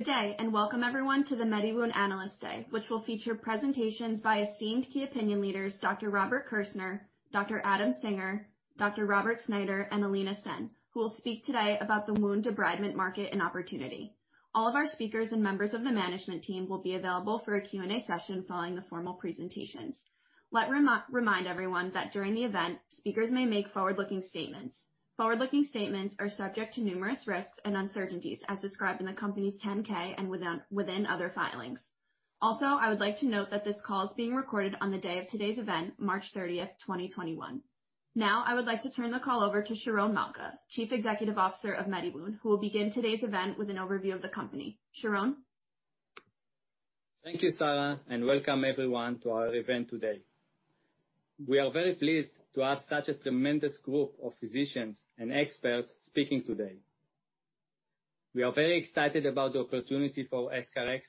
Good day, and welcome everyone to the MediWound Analyst Day, which will feature presentations by esteemed key opinion leaders, Dr. Robert Kirsner, Dr. Adam Singer, Dr. Robert Snyder, and Ilina Sen, who will speak today about the wound debridement market and opportunity. All of our speakers and members of the management team will be available for a Q&A session following the formal presentations. Let me remind everyone that during the event, speakers may make forward-looking statements. Forward-looking statements are subject to numerous risks and uncertainties as described in the company's 10K and within other filings. Also, I would like to note that this call is being recorded on the day of today's event, March 30th, 2021. Now, I would like to turn the call over to Sharon Malka, Chief Executive Officer of MediWound, who will begin today's event with an overview of the company. Sharon? Thank you, Sarah, and welcome everyone to our event today. We are very pleased to have such a tremendous group of physicians and experts speaking today. We are very excited about the opportunity for EscharEx,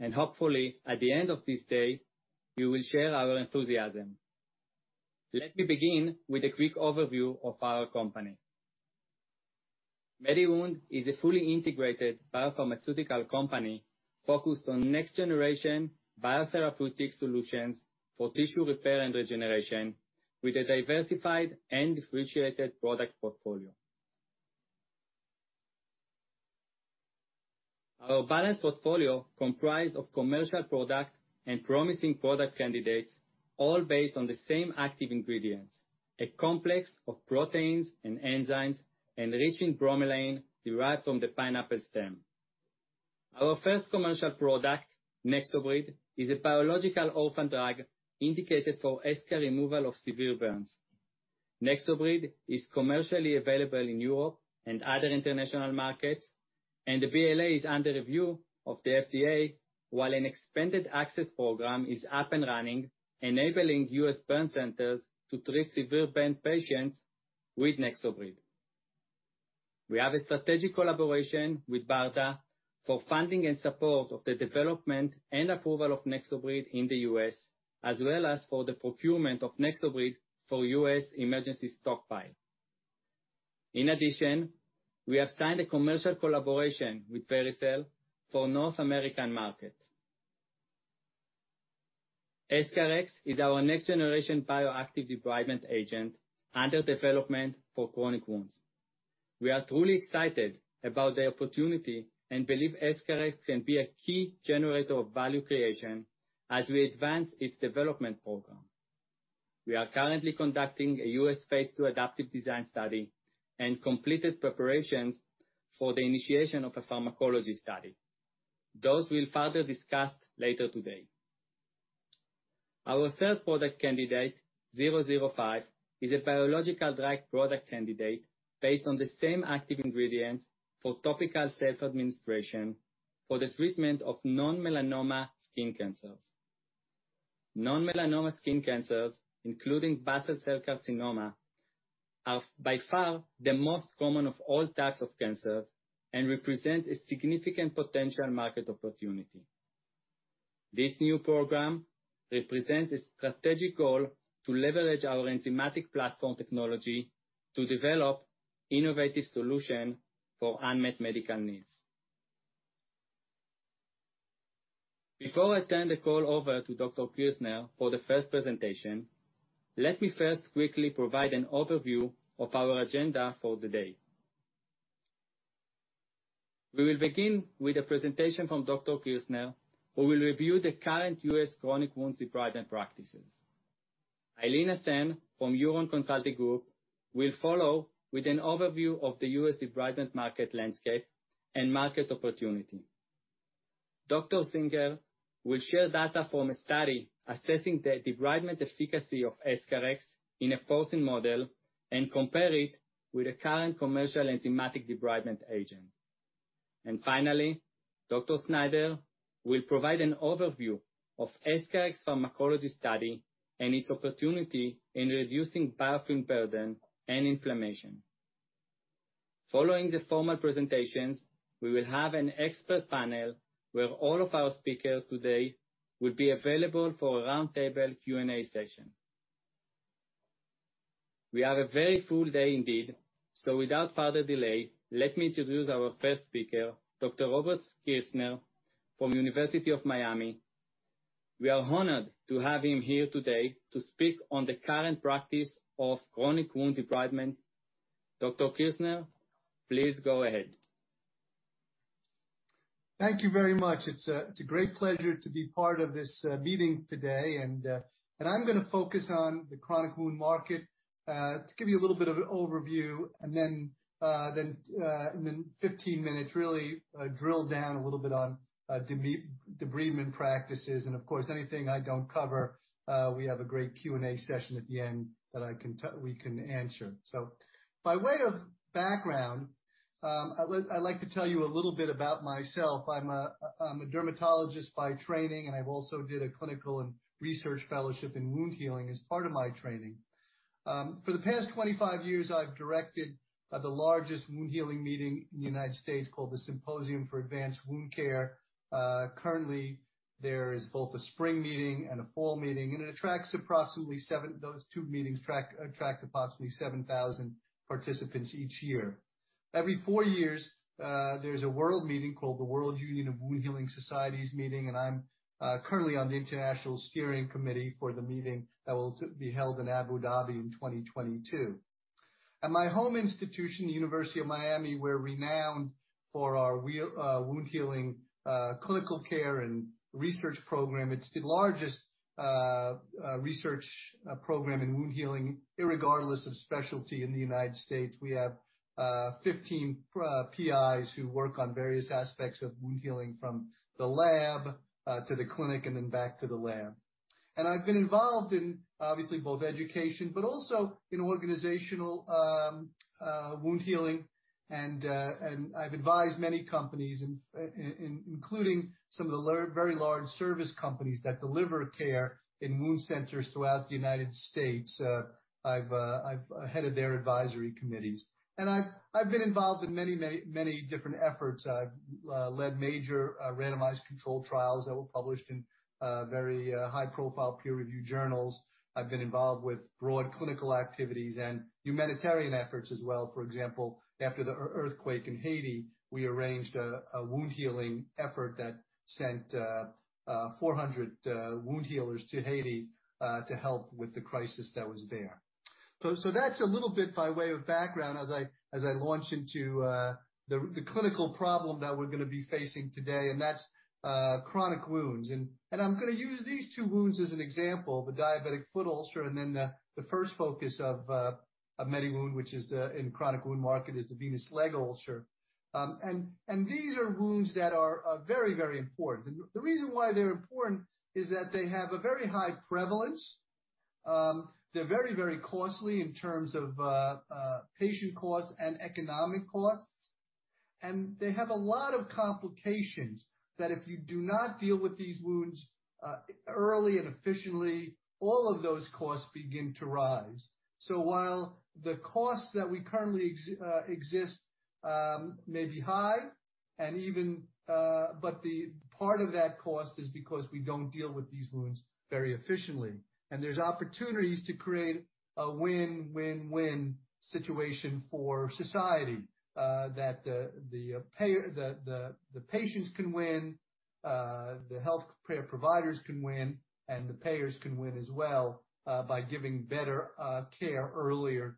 and hopefully, at the end of this day, you will share our enthusiasm. Let me begin with a quick overview of our company. MediWound is a fully integrated biopharmaceutical company focused on next-generation biotherapeutic solutions for tissue repair and regeneration with a diversified and differentiated product portfolio. Our balanced portfolio comprised of commercial product and promising product candidates, all based on the same active ingredients. A complex of proteins and enzymes enriching bromelain derived from the pineapple stem. Our first commercial product, NexoBrid, is a biological orphan drug indicated for eschar removal of severe burns. NexoBrid is commercially available in Europe and other international markets, and the BLA is under review of the FDA, while an expanded access program is up and running, enabling U.S. burn centers to treat severe burn patients with NexoBrid. We have a strategic collaboration with BARDA for funding and support of the development and approval of NexoBrid in the U.S., as well as for the procurement of NexoBrid for U.S. emergency stockpile. In addition, we have signed a commercial collaboration with Vericel for North American market. EscharEx is our next-generation bioactive debridement agent under development for chronic wounds. We are truly excited about the opportunity and believe EscharEx can be a key generator of value creation as we advance its development program. We are currently conducting a U.S. phase II adaptive design study and completed preparations for the initiation of a pharmacology study. Those we'll further discuss later today. Our third product candidate, 005, is a biological drug product candidate based on the same active ingredients for topical self-administration for the treatment of non-melanoma skin cancers. Non-melanoma skin cancers, including basal cell carcinoma, are by far the most common of all types of cancers and represent a significant potential market opportunity. This new program represents a strategic goal to leverage our enzymatic platform technology to develop innovative solution for unmet medical needs. Before I turn the call over to Dr. Kirsner for the first presentation, let me first quickly provide an overview of our agenda for the day. We will begin with a presentation from Dr. Kirsner, who will review the current U.S. chronic wound debridement practices. Ilina Sen from Huron Consulting Group will follow with an overview of the U.S. debridement market landscape and market opportunity. Dr. Singer will share data from a study assessing the debridement efficacy of EscharEx in a porcine model and compare it with a current commercial enzymatic debridement agent. Finally, Dr. Snyder will provide an overview of EscharEx pharmacology study and its opportunity in reducing biofilm burden and inflammation. Following the formal presentations, we will have an expert panel where all of our speakers today will be available for a roundtable Q&A session. We have a very full day indeed, so without further delay, let me introduce our first speaker, Dr. Robert Kirsner from University of Miami. We are honored to have him here today to speak on the current practice of chronic wound debridement. Dr. Kirsner, please go ahead. Thank you very much. It's a great pleasure to be part of this meeting today. I'm going to focus on the chronic wound market, to give you a little bit of an overview, then, in the 15 minutes, really drill down a little bit on debridement practices. Of course, anything I don't cover, we have a great Q&A session at the end that we can answer. By way of background, I'd like to tell you a little bit about myself. I'm a dermatologist by training, and I also did a clinical and research fellowship in wound healing as part of my training. For the past 25 years, I've directed the largest wound healing meeting in the U.S. called the Symposium on Advanced Wound Care. Currently, there is both a spring meeting and a fall meeting, and those two meetings attract approximately 7,000 participants each year. Every four years, there's a world meeting called the World Union of Wound Healing Societies meeting. I'm currently on the international steering committee for the meeting that will be held in Abu Dhabi in 2022. At my home institution, the University of Miami, we're renowned for our wound healing clinical care and research program. It's the largest research program in wound healing irregardless of specialty in the U.S. We have 15 PIs who work on various aspects of wound healing from the lab to the clinic, and then back to the lab. I've been involved in obviously both education, but also in organizational wound healing, and I've advised many companies, including some of the very large service companies that deliver care in wound centers throughout the U.S. I've headed their advisory committees, and I've been involved in many different efforts. I've led major randomized controlled trials that were published in very high-profile peer-reviewed journals. I've been involved with broad clinical activities and humanitarian efforts as well. For example, after the earthquake in Haiti, we arranged a wound healing effort that sent 400 wound healers to Haiti to help with the crisis that was there. That's a little bit by way of background as I launch into the clinical problem that we're going to be facing today, and that's chronic wounds. I'm going to use these two wounds as an example, the diabetic foot ulcer and then the first focus of MediWound, which is in chronic wound market, is the venous leg ulcer. These are wounds that are very important. The reason why they're important is that they have a very high prevalence. They're very costly in terms of patient costs and economic costs. They have a lot of complications that if you do not deal with these wounds early and efficiently, all of those costs begin to rise. While the costs that currently exist may be high, the part of that cost is because we don't deal with these wounds very efficiently. There's opportunities to create a win-win-win situation for society. The patients can win, the healthcare providers can win, and the payers can win as well by giving better care earlier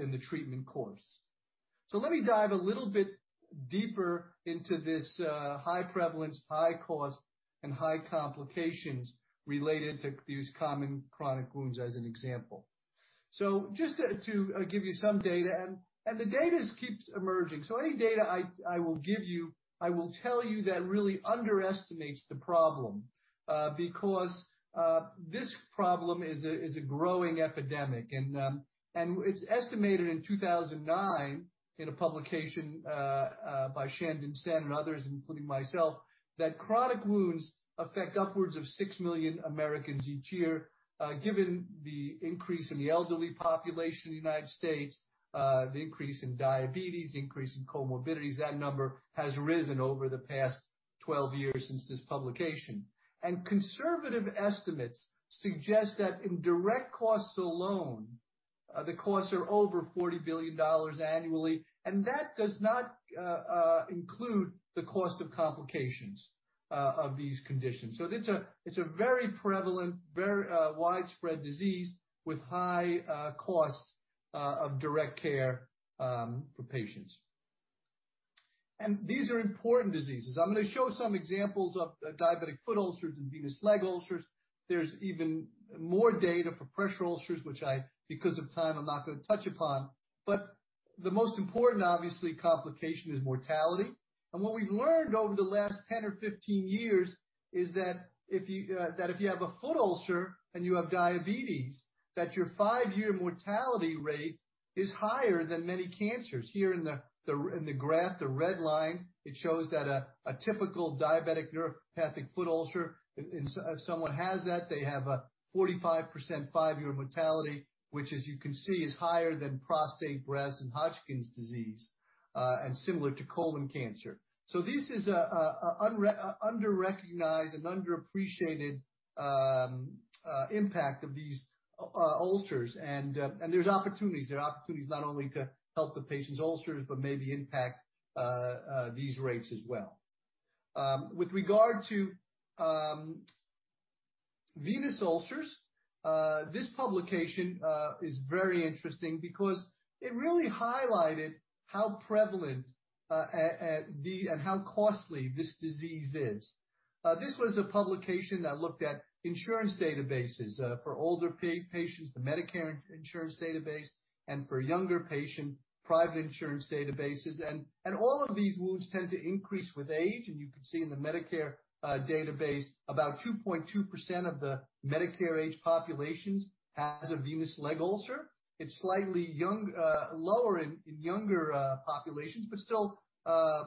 in the treatment course. Let me dive a little bit deeper into this high prevalence, high cost, and high complications related to these common chronic wounds as an example. Just to give you some data. The data keeps emerging. Any data I will give you, I will tell you that really underestimates the problem, because this problem is a growing epidemic. It's estimated in 2009 in a publication by Sharon, Sen, and others, including myself, that chronic wounds affect upwards of six million Americans each year. Given the increase in the elderly population in the U.S., the increase in diabetes, the increase in comorbidities, that number has risen over the past 12 years since this publication. Conservative estimates suggest that in direct costs alone, the costs are over $40 billion annually, and that does not include the cost of complications of these conditions. It's a very prevalent, very widespread disease with high costs of direct care for patients. These are important diseases. I'm going to show some examples of diabetic foot ulcers and venous leg ulcers. There's even more data for pressure ulcers, which because of time, I'm not going to touch upon. The most important, obviously, complication is mortality. What we've learned over the last 10 or 15 years is that if you have a foot ulcer and you have diabetes, that your five-year mortality rate is higher than many cancers. Here in the graph, the red line, it shows that a typical diabetic neuropathic foot ulcer, if someone has that, they have a 45% five-year mortality, which, as you can see, is higher than prostate, breast, and Hodgkin's disease, and similar to colon cancer. This is an under-recognized and underappreciated impact of these ulcers. There's opportunities. There are opportunities not only to help the patient's ulcers, but maybe impact these rates as well. With regard to venous ulcers, this publication is very interesting because it really highlighted how prevalent and how costly this disease is. This was a publication that looked at insurance databases for older patients, the Medicare insurance database, and for younger patients, private insurance databases. All of these wounds tend to increase with age. You can see in the Medicare database, about 2.2% of the Medicare-age populations has a venous leg ulcer. It's slightly lower in younger populations, but still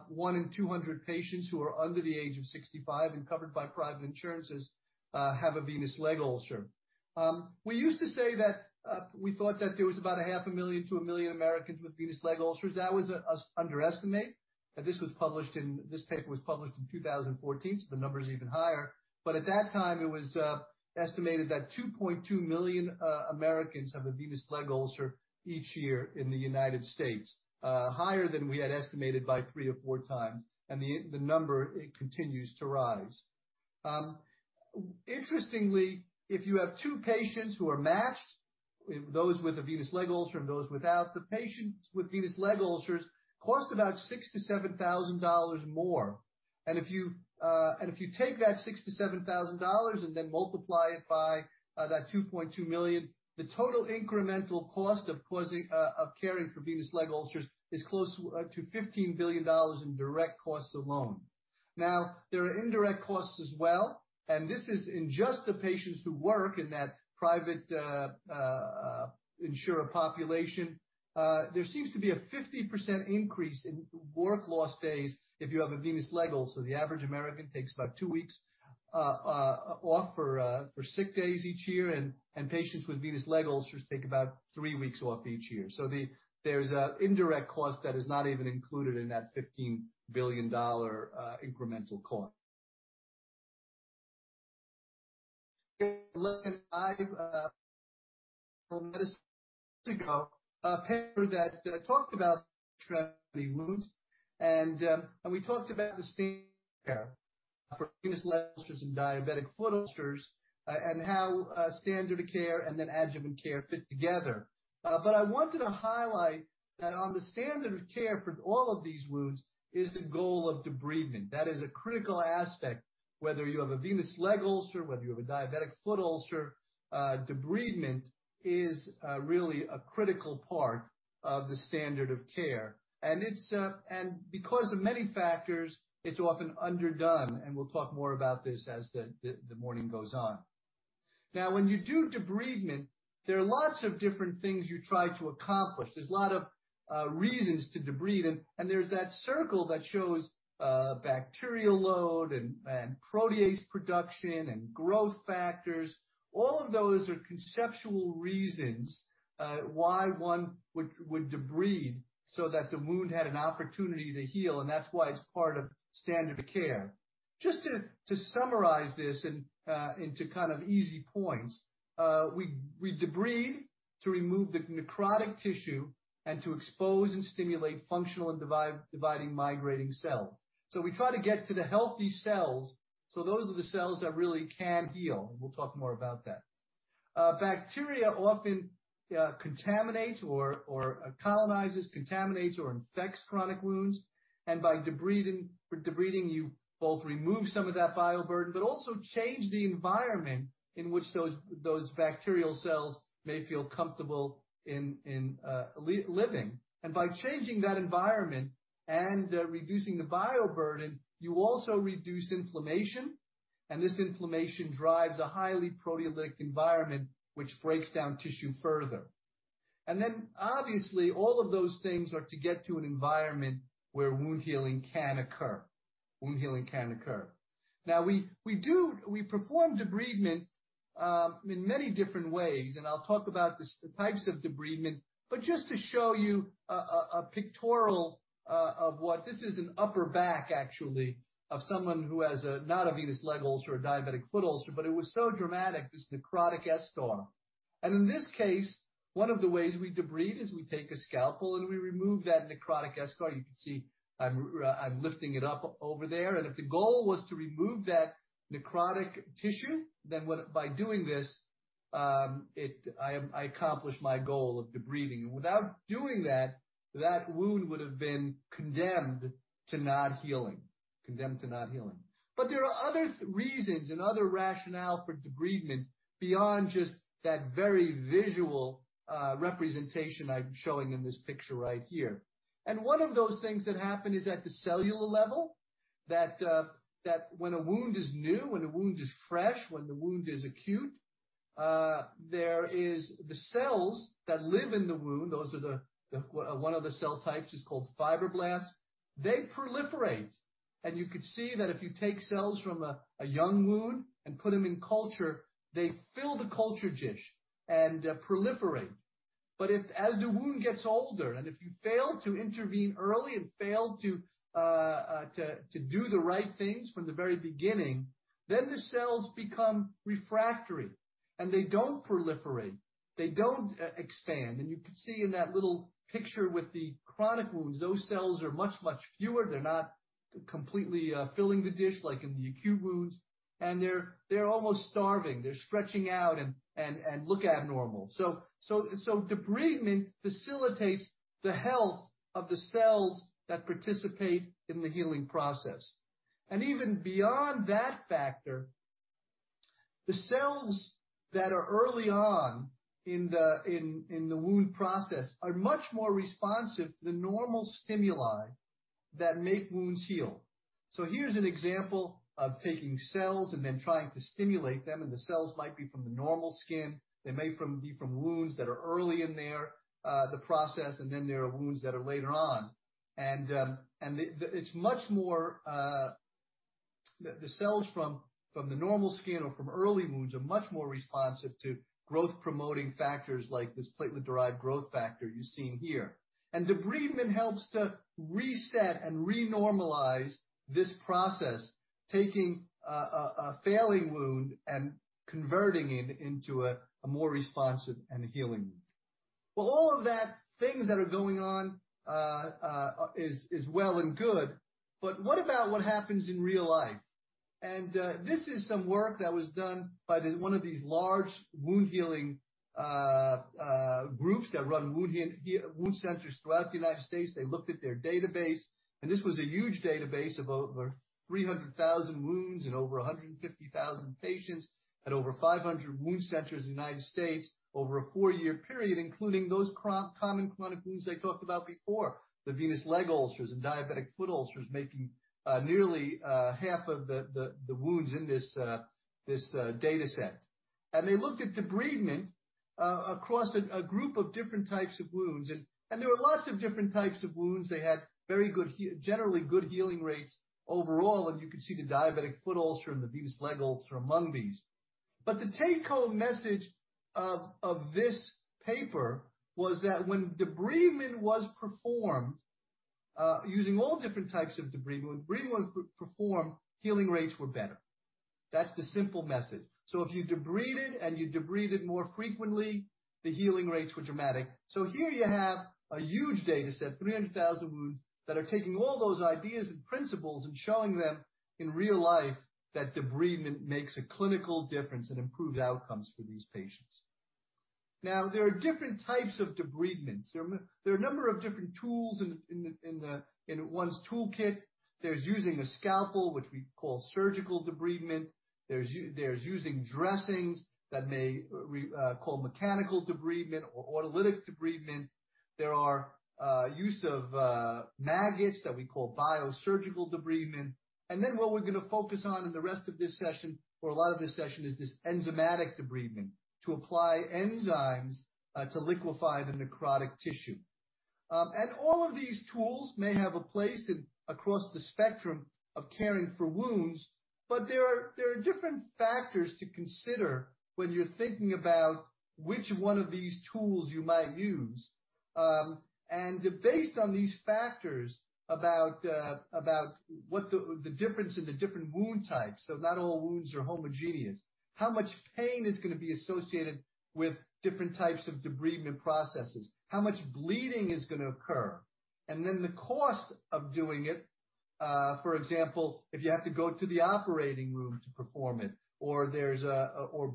one in 200 patients who are under the age of 65 and covered by private insurances have a venous leg ulcer. We used to say that we thought that there was about a half a million to a million Americans with venous leg ulcers. That was an underestimate. This paper was published in 2014, the number's even higher. At that time, it was estimated that 2.2 million Americans have a venous leg ulcer each year in the United States, higher than we had estimated by three or 4x, the number, it continues to rise. Interestingly, if you have two patients who are matched, those with a venous leg ulcer and those without, the patients with venous leg ulcers cost about $6,000-$7,000 more. If you take that $6,000-$7,000 and then multiply it by that 2.2 million, the total incremental cost of caring for venous leg ulcers is close to $15 billion in direct costs alone. There are indirect costs as well, this is in just the patients who work in that private insurer population. There seems to be a 50% increase in work loss days if you have a venous leg ulcer. The average American takes about two weeks off for sick days each year, and patients with venous leg ulcers take about three weeks off each year. There's an indirect cost that is not even included in that $15 billion incremental cost. Look, I've a paper that talked about the wounds, and we talked about the standard of care for venous leg ulcers and diabetic foot ulcers, and how standard of care and then adjuvant care fit together. I wanted to highlight that on the standard of care for all of these wounds is the goal of debridement. That is a critical aspect, whether you have a venous leg ulcer, whether you have a diabetic foot ulcer, debridement is really a critical part of the standard of care. Because of many factors, it's often underdone, and we'll talk more about this as the morning goes on. When you do debridement, there are lots of different things you try to accomplish. There's a lot of reasons to debride, there's that circle that shows bacterial load and protease production and growth factors. All of those are conceptual reasons why one would debride so that the wound had an opportunity to heal, that's why it's part of standard of care. Just to summarize this into kind of easy points, we debride to remove the necrotic tissue and to expose and stimulate functional and dividing, migrating cells. We try to get to the healthy cells, so those are the cells that really can heal, we'll talk more about that. Bacteria often contaminates or infects chronic wounds. By debriding, you both remove some of that bioburden, but also change the environment in which those bacterial cells may feel comfortable in living. By changing that environment and reducing the bioburden, you also reduce inflammation, and this inflammation drives a highly proteolytic environment, which breaks down tissue further. Obviously, all of those things are to get to an environment where wound healing can occur. Now, we perform debridement in many different ways, and I will talk about the types of debridement, but just to show you a pictorial. This is an upper back, actually, of someone who has, not a venous leg ulcer or diabetic foot ulcer, but it was so dramatic, this necrotic eschar. In this case, one of the ways we debride is we take a scalpel, and we remove that necrotic eschar. You can see I am lifting it up over there. If the goal was to remove that necrotic tissue, then by doing this, I accomplish my goal of debriding. Without doing that wound would've been condemned to not healing. There are other reasons and other rationale for debridement beyond just that very visual representation I'm showing in this picture right here. One of those things that happen is at the cellular level, that when a wound is new, when a wound is fresh, when the wound is acute, there is the cells that live in the wound. One of the cell types is called fibroblasts. They proliferate, and you could see that if you take cells from a young wound and put them in culture, they fill the culture dish and proliferate. As the wound gets older, and if you fail to intervene early and fail to do the right things from the very beginning, then the cells become refractory, and they don't proliferate. They don't expand. You could see in that little picture with the chronic wounds, those cells are much fewer. They're not completely filling the dish like in the acute wounds, and they're almost starving. They're stretching out and look abnormal. Debridement facilitates the health of the cells that participate in the healing process. Even beyond that factor, the cells that are early on in the wound process are much more responsive to the normal stimuli that make wounds heal. Here's an example of taking cells and then trying to stimulate them, and the cells might be from the normal skin. They may be from wounds that are early in the process, and then there are wounds that are later on. The cells from the normal skin or from early wounds are much more responsive to growth-promoting factors like this platelet-derived growth factor you're seeing here. Debridement helps to reset and re-normalize this process, taking a failing wound and converting it into a more responsive and healing wound. All of that, things that are going on, is well and good, but what about what happens in real life? This is some work that was done by one of these large wound healing groups that run wound centers throughout the U.S. They looked at their database, and this was a huge database of over 300,000 wounds in over 150,000 patients at over 500 wound centers in the U.S. over a four-year period, including those common chronic wounds I talked about before, the venous leg ulcers and diabetic foot ulcers, making nearly half of the wounds in this dataset. They looked at debridement across a group of different types of wounds, and there were lots of different types of wounds. They had generally good healing rates overall, and you can see the diabetic foot ulcer and the venous leg ulcer among these. The take-home message of this paper was that when debridement was performed using all different types of debridement, when debridement was performed, healing rates were better. That's the simple message. If you debride it, and you debride it more frequently, the healing rates were dramatic. Here you have a huge dataset, 300,000 wounds, that are taking all those ideas and principles and showing them in real life that debridement makes a clinical difference and improves outcomes for these patients. There are different types of debridement. There are a number of different tools in one's toolkit. There's using a scalpel, which we call surgical debridement. There's using dressings that we call mechanical debridement or autolytic debridement. There are use of maggots that we call biosurgical debridement. Then what we're going to focus on in the rest of this session, for a lot of this session, is this enzymatic debridement, to apply enzymes to liquefy the necrotic tissue. All of these tools may have a place across the spectrum of caring for wounds, but there are different factors to consider when you're thinking about which one of these tools you might use. Based on these factors about what the difference in the different wound types. Not all wounds are homogeneous. How much pain is going to be associated with different types of debridement processes? How much bleeding is going to occur? Then the cost of doing it. For example, if you have to go to the operating room to perform it, or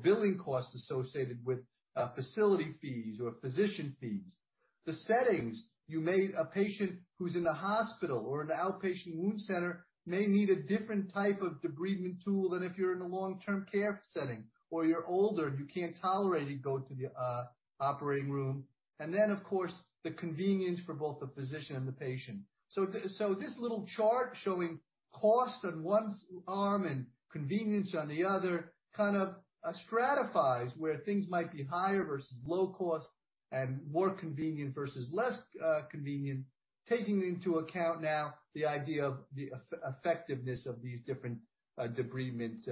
billing costs associated with facility fees or physician fees. The settings. A patient who's in the hospital or in the outpatient wound center may need a different type of debridement tool than if you're in a long-term care setting, or you're older, and you can't tolerate to go to the operating room. Of course, the convenience for both the physician and the patient. This little chart showing cost on one arm and convenience on the other kind of stratifies where things might be higher versus low cost and more convenient versus less convenient, taking into account now the idea of the effectiveness of these different debridement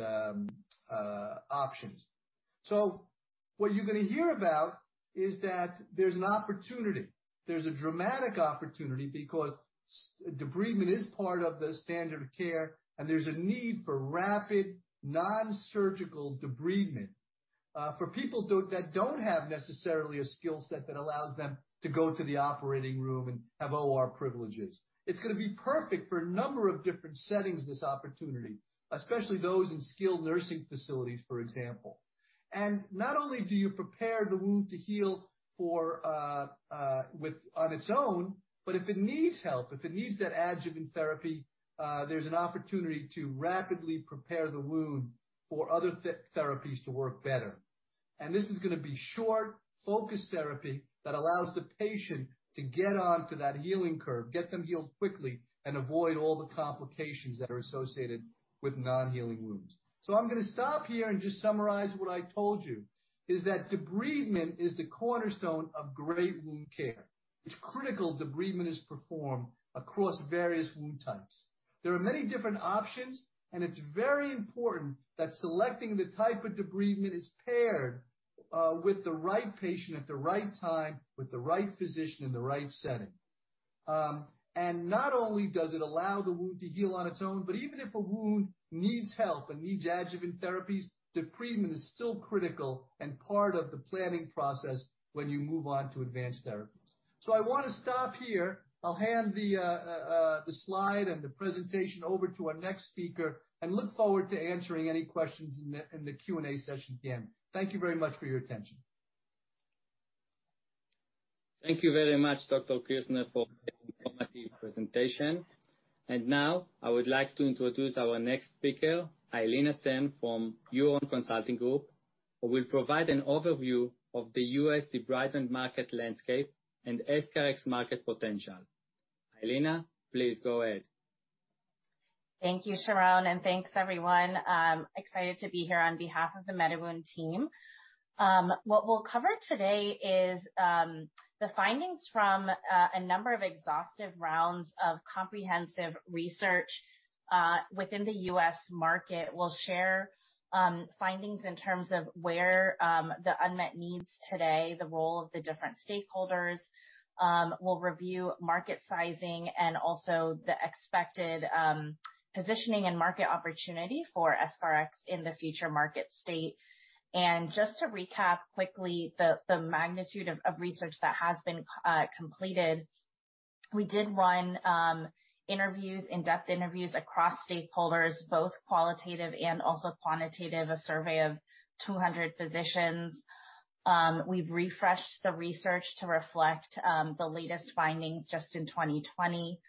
options. What you're going to hear about is that there's an opportunity. There's a dramatic opportunity because debridement is part of the standard of care, and there's a need for rapid non-surgical debridement for people that don't have necessarily a skill set that allows them to go to the operating room and have OR privileges. It's going to be perfect for a number of different settings, this opportunity, especially those in skilled nursing facilities, for example. Not only do you prepare the wound to heal on its own, but if it needs help, if it needs that adjuvant therapy, there's an opportunity to rapidly prepare the wound for other therapies to work better. This is going to be short, focused therapy that allows the patient to get onto that healing curve, get them healed quickly, and avoid all the complications that are associated with non-healing wounds. I'm going to stop here and just summarize what I told you, is that debridement is the cornerstone of great wound care. It's critical debridement is performed across various wound types. There are many different options, and it's very important that selecting the type of debridement is paired with the right patient at the right time with the right physician in the right setting. Not only does it allow the wound to heal on its own, but even if a wound needs help and needs adjuvant therapies, debridement is still critical and part of the planning process when you move on to advanced therapies. I want to stop here. I'll hand the slide and the presentation over to our next speaker and look forward to answering any questions in the Q&A session at the end. Thank you very much for your attention. Thank you very much, Dr. Kirsner, for that informative presentation. Now I would like to introduce our next speaker, Ilina Sen from Huron Consulting Group, who will provide an overview of the U.S. debridement market landscape and EscharEx's market potential. Ilina, please go ahead. Thank you, Sharon, and thanks everyone. I'm excited to be here on behalf of the MediWound team. What we'll cover today is the findings from a number of exhaustive rounds of comprehensive research within the U.S. market. We'll share findings in terms of where the unmet needs today, the role of the different stakeholders. We'll review market sizing and also the expected positioning and market opportunity for EscharEx in the future market state. Just to recap quickly the magnitude of research that has been completed. We did run interviews, in-depth interviews across stakeholders, both qualitative and also quantitative, a survey of 200 physicians. We've refreshed the research to reflect the latest findings just in 2020.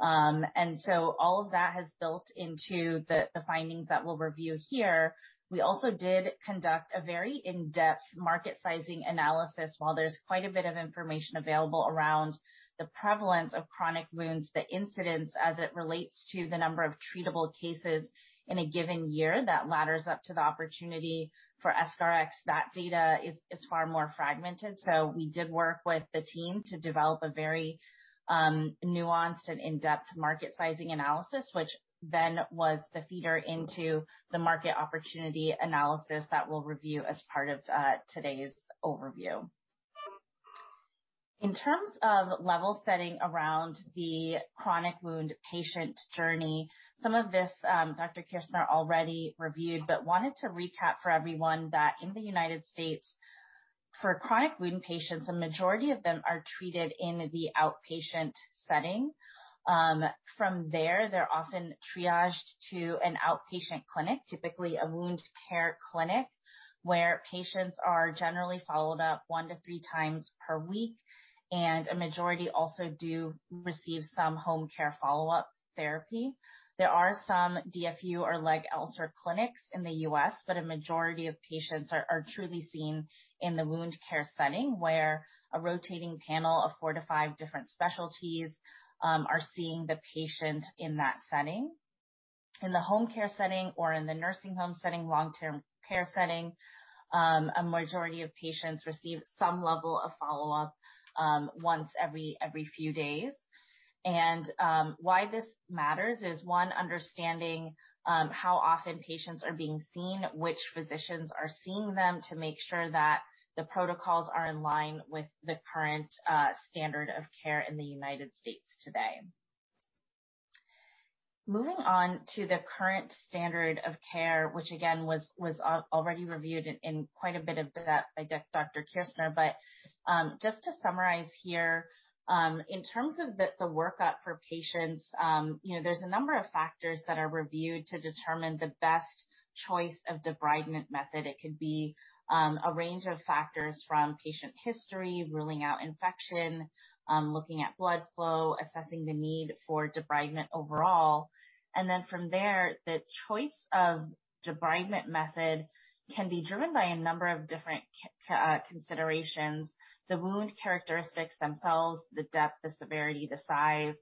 So all of that has built into the findings that we'll review here. We also did conduct a very in-depth market sizing analysis. While there's quite a bit of information available around the prevalence of chronic wounds, the incidence as it relates to the number of treatable cases in a given year that ladders up to the opportunity for EscharEx. That data is far more fragmented. We did work with the team to develop a very nuanced and in-depth market sizing analysis, which then was the feeder into the market opportunity analysis that we'll review as part of today's overview. In terms of level setting around the chronic wound patient journey, some of this Dr. Kirsner already reviewed, but wanted to recap for everyone that in the United States, for chronic wound patients, a majority of them are treated in the outpatient setting. From there, they're often triaged to an outpatient clinic, typically a wound care clinic, where patients are generally followed up one to 3x per week, and a majority also do receive some home care follow-up therapy. There are some DFU or leg ulcer clinics in the U.S., but a majority of patients are truly seen in the wound care setting, where a rotating panel of four to five different specialties are seeing the patient in that setting. In the home care setting or in the nursing home setting, long-term care setting, a majority of patients receive some level of follow-up once every few days. Why this matters is, one, understanding how often patients are being seen, which physicians are seeing them to make sure that the protocols are in line with the current standard of care in the United States today. Moving on to the current standard of care, which again, was already reviewed in quite a bit of depth by Dr. Kirsner. Just to summarize here, in terms of the workup for patients, there's a number of factors that are reviewed to determine the best choice of debridement method. It could be a range of factors from patient history, ruling out infection, looking at blood flow, assessing the need for debridement overall. From there, the choice of debridement method can be driven by a number of different considerations. The wound characteristics themselves, the depth, the severity, the size.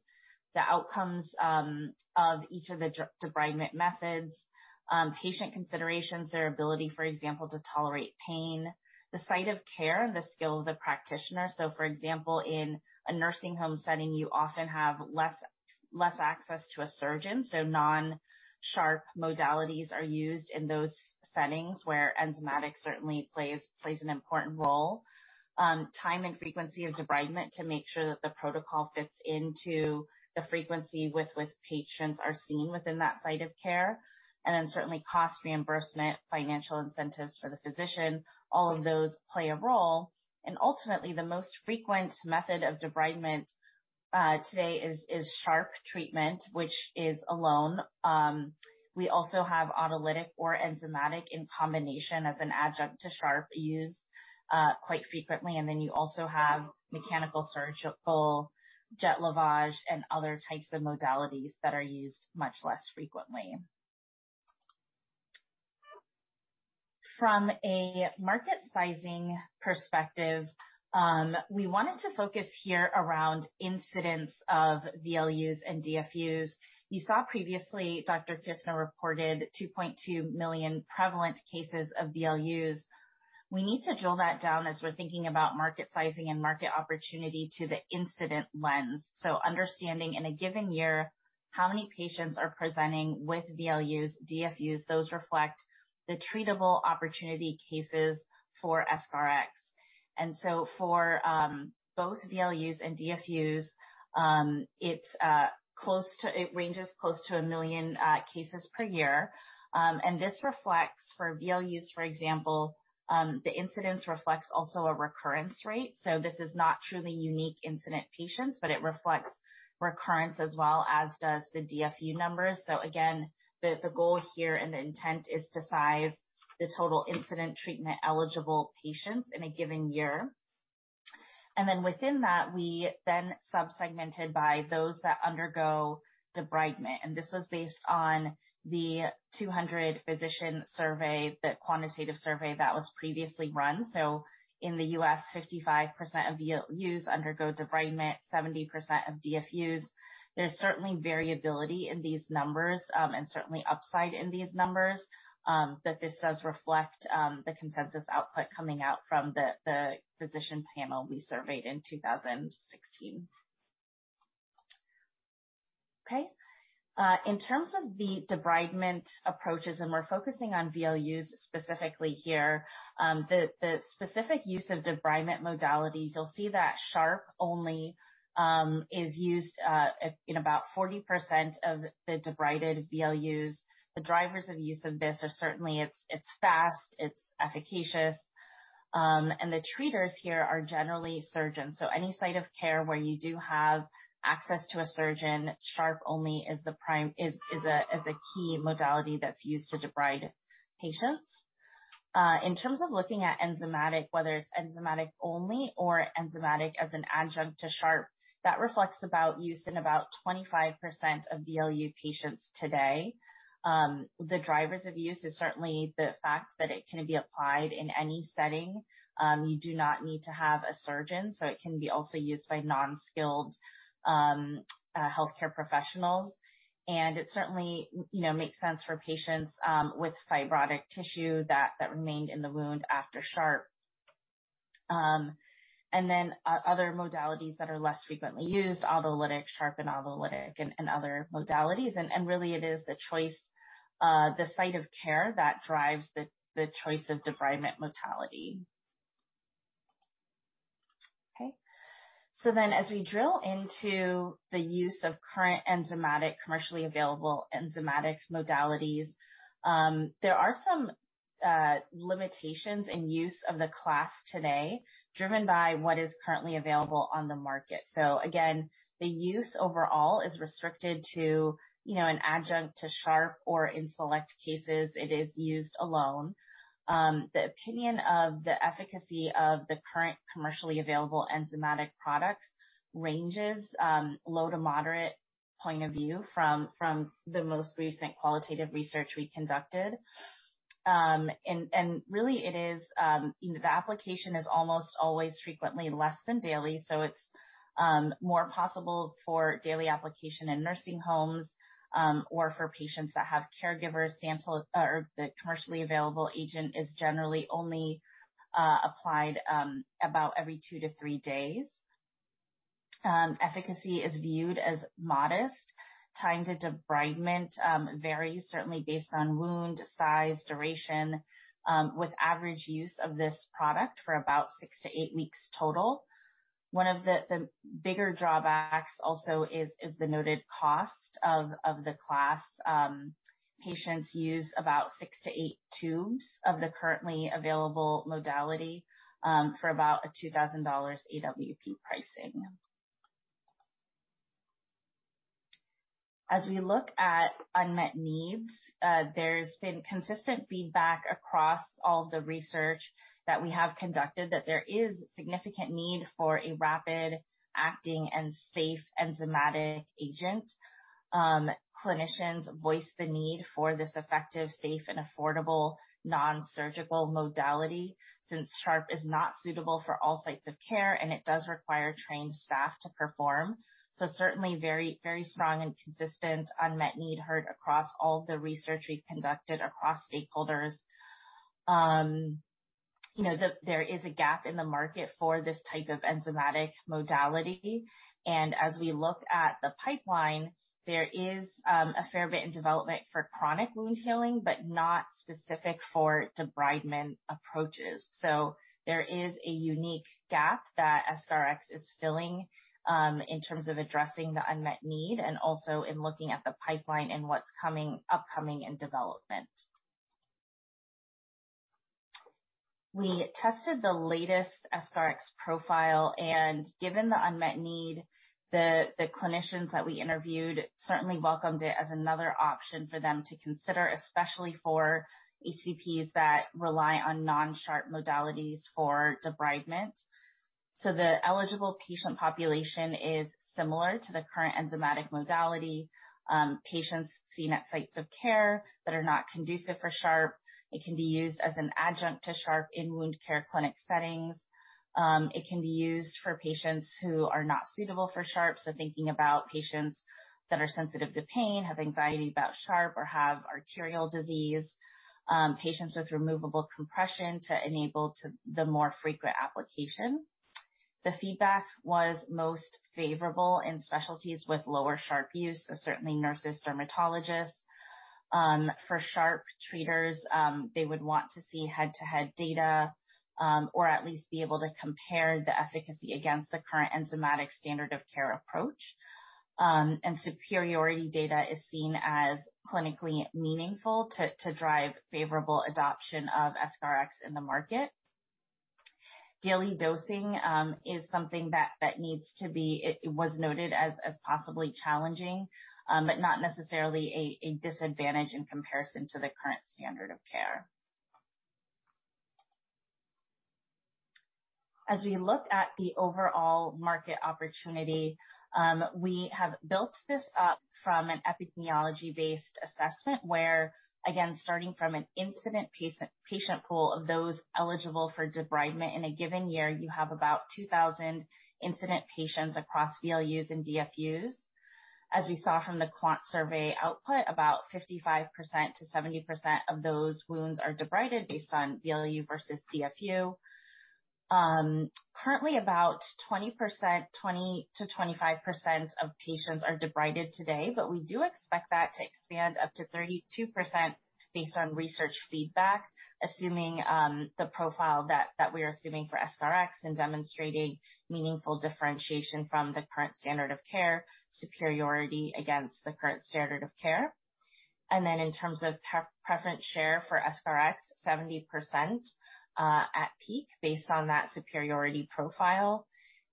The outcomes of each of the debridement methods. Patient considerations, their ability, for example, to tolerate pain. The site of care, the skill of the practitioner. For example, in a nursing home setting, you often have less access to a surgeon, so non-sharp modalities are used in those settings where enzymatic certainly plays an important role. Time and frequency of debridement to make sure that the protocol fits into the frequency with which patients are seen within that site of care. Certainly cost reimbursement, financial incentives for the physician, all of those play a role. Ultimately, the most frequent method of debridement today is sharp treatment, which is alone. We also have autolytic or enzymatic in combination as an adjunct to sharp used quite frequently. You also have mechanical, surgical, jet lavage, and other types of modalities that are used much less frequently. From a market sizing perspective, we wanted to focus here around incidence of VLUs and DFUs. You saw previously, Dr. Kirsner reported 2.2 million prevalent cases of DLUs. We need to drill that down as we're thinking about market sizing and market opportunity to the incident lens. Understanding in a given year how many patients are presenting with DLUs, DFUs, those reflect the treatable opportunity cases for EscharEx. For both DLUs and DFUs, it ranges close to one million cases per year. This reflects for DLUs, for example, the incidence reflects also a recurrence rate. This is not truly unique incident patients, but it reflects recurrence as well as does the DFU numbers. Again, the goal here and the intent is to size the total incident treatment eligible patients in a given year. Within that, we then sub-segmented by those that undergo debridement. This was based on the 200-physician survey, the quantitative survey that was previously run. In the U.S., 55% of VLUs undergo debridement, 70% of DFUs. There's certainly variability in these numbers, and certainly upside in these numbers, but this does reflect the consensus output coming out from the physician panel we surveyed in 2016. Okay. In terms of the debridement approaches, and we're focusing on VLUs specifically here, the specific use of debridement modalities, you'll see that sharp-only is used in about 40% of the debrided VLUs. The drivers of use of this are certainly it's fast, it's efficacious. The treaters here are generally surgeons. Any site of care where you do have access to a surgeon, sharp-only is a key modality that's used to debride patients. In terms of looking at enzymatic, whether it's enzymatic-only or enzymatic as an adjunct to sharp, that reflects about use in about 25% of VLU patients today. The drivers of use is certainly the fact that it can be applied in any setting. You do not need to have a surgeon, so it can be also used by non-skilled healthcare professionals. It certainly makes sense for patients with fibrotic tissue that remained in the wound after sharp. Other modalities that are less frequently used, autolytic, sharp, and autolytic, and other modalities. Really, it is the site of care that drives the choice of debridement modality. Okay. As we drill into the use of current enzymatic, commercially available enzymatic modalities, there are some limitations in use of the class today, driven by what is currently available on the market. Again, the use overall is restricted to an adjunct to sharp or in select cases, it is used alone. The opinion of the efficacy of the current commercially available enzymatic products ranges low to moderate point of view from the most recent qualitative research we conducted. Really, the application is almost always frequently less than daily. It's more possible for daily application in nursing homes, or for patients that have caregivers. The commercially available agent is generally only applied about every two to three days. Efficacy is viewed as modest. Time to debridement varies, certainly based on wound size, duration, with average use of this product for about six to eight weeks total. One of the bigger drawbacks also is the noted cost of the class. Patients use about six to eight tubes of the currently available modality for about a $2,000 AWP pricing. As we look at unmet needs, there's been consistent feedback across all the research that we have conducted that there is significant need for a rapid-acting and safe enzymatic agent. Clinicians voice the need for this effective, safe, and affordable non-surgical modality since sharp is not suitable for all sites of care, and it does require trained staff to perform. Certainly, very strong and consistent unmet need heard across all the research we've conducted across stakeholders. There is a gap in the market for this type of enzymatic modality. As we look at the pipeline, there is a fair bit in development for chronic wound healing, but not specific for debridement approaches. There is a unique gap that EscharEx is filling in terms of addressing the unmet need and also in looking at the pipeline and what's upcoming in development. We tested the latest EscharEx profile and given the unmet need, the clinicians that we interviewed certainly welcomed it as another option for them to consider, especially for HCPs that rely on non-sharp modalities for debridement. The eligible patient population is similar to the current enzymatic modality. Patients seen at sites of care that are not conducive for sharp. It can be used as an adjunct to sharp in wound care clinic settings. It can be used for patients who are not suitable for sharp. Thinking about patients that are sensitive to pain, have anxiety about sharp or have arterial disease. Patients with removable compression to enable the more frequent application. The feedback was most favorable in specialties with lower sharp use, so certainly nurses, dermatologists. For sharp treaters, they would want to see head-to-head data, or at least be able to compare the efficacy against the current enzymatic standard of care approach. Superiority data is seen as clinically meaningful to drive favorable adoption of EscharEx in the market. Daily dosing is something that was noted as possibly challenging, but not necessarily a disadvantage in comparison to the current standard of care. As we look at the overall market opportunity, we have built this up from an epidemiology-based assessment where, again, starting from an incident patient pool of those eligible for debridement in a given year, you have about 2,000 incident patients across VLUs and DFUs. As we saw from the quant survey output, about 55%-70% of those wounds are debrided based on VLU versus DFU. Currently, about 20%-25% of patients are debrided today. We do expect that to expand up to 32% based on research feedback, assuming the profile that we are assuming for EscharEx in demonstrating meaningful differentiation from the current standard of care, superiority against the current standard of care. In terms of preference share for EscharEx, 70% at peak based on that superiority profile.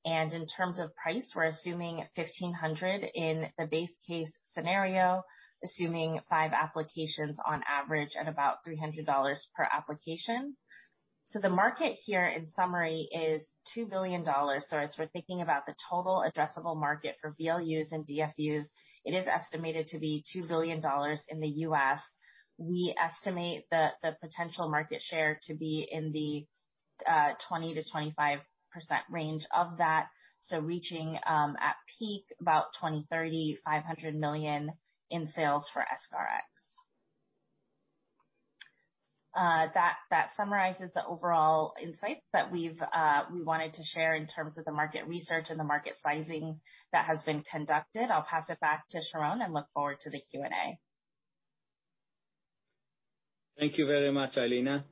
In terms of price, we're assuming $1,500 in the base case scenario, assuming five applications on average at about $300 per application. The market here in summary is $2 billion. As we're thinking about the total addressable market for VLUs and DFUs, it is estimated to be $2 billion in the U.S. We estimate the potential market share to be in the 20%-25% range of that. Reaching at peak about 2030, $500 million in sales for EscharEx. That summarizes the overall insights that we wanted to share in terms of the market research and the market sizing that has been conducted. I'll pass it back to Sharon and look forward to the Q&A. Thank you very much, Ilina.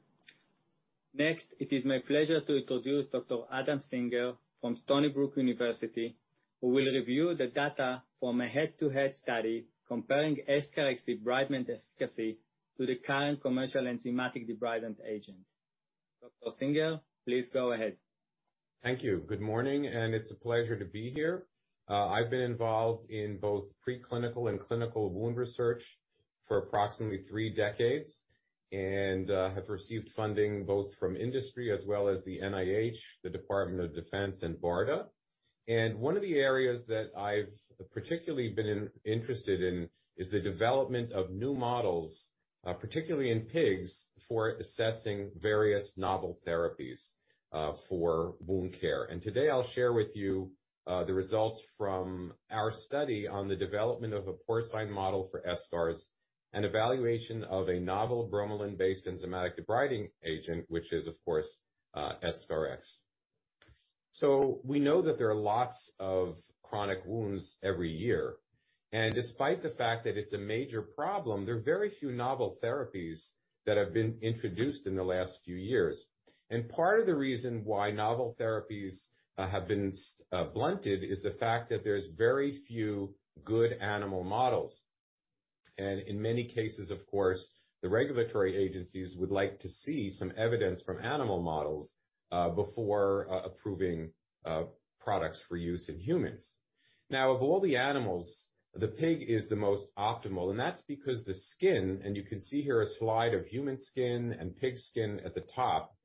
Next, it is my pleasure to introduce Dr. Adam Singer from Stony Brook University, who will review the data from a head-to-head study comparing EscharEx debridement efficacy to the current commercial enzymatic debridement agent. Dr. Singer, please go ahead. Thank you. Good morning, it's a pleasure to be here. I've been involved in both preclinical and clinical wound research for approximately three decades and have received funding both from industry as well as the NIH, the Department of Defense, and BARDA. One of the areas that I've particularly been interested in is the development of new models, particularly in pigs, for assessing various novel therapies for wound care. Today I'll share with you the results from our study on the development of a porcine model for eschars and evaluation of a novel bromelain-based enzymatic debriding agent, which is, of course, EscharEx. We know that there are lots of chronic wounds every year. Despite the fact that it's a major problem, there are very few novel therapies that have been introduced in the last few years. Part of the reason why novel therapies have been blunted is the fact that there's very few good animal models. In many cases, of course, the regulatory agencies would like to see some evidence from animal models before approving products for use in humans. Of all the animals, the pig is the most optimal, and that's because the skin, and you can see here a slide of human skin and pig skin at the top.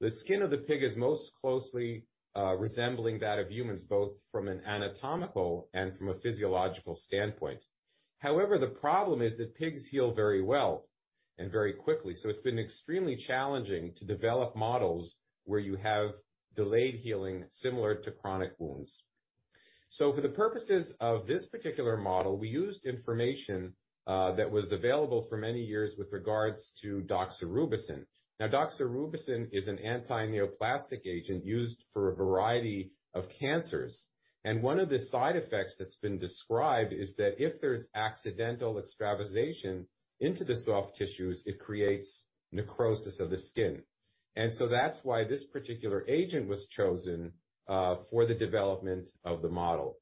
The skin of the pig is most closely resembling that of humans, both from an anatomical and from a physiological standpoint. However, the problem is that pigs heal very well and very quickly. It's been extremely challenging to develop models where you have delayed healing similar to chronic wounds. For the purposes of this particular model, we used information that was available for many years with regards to doxorubicin. Doxorubicin is an antineoplastic agent used for a variety of cancers, and one of the side effects that's been described is that if there's accidental extravasation into the soft tissues, it creates necrosis of the skin. That's why this particular agent was chosen for the development of the model.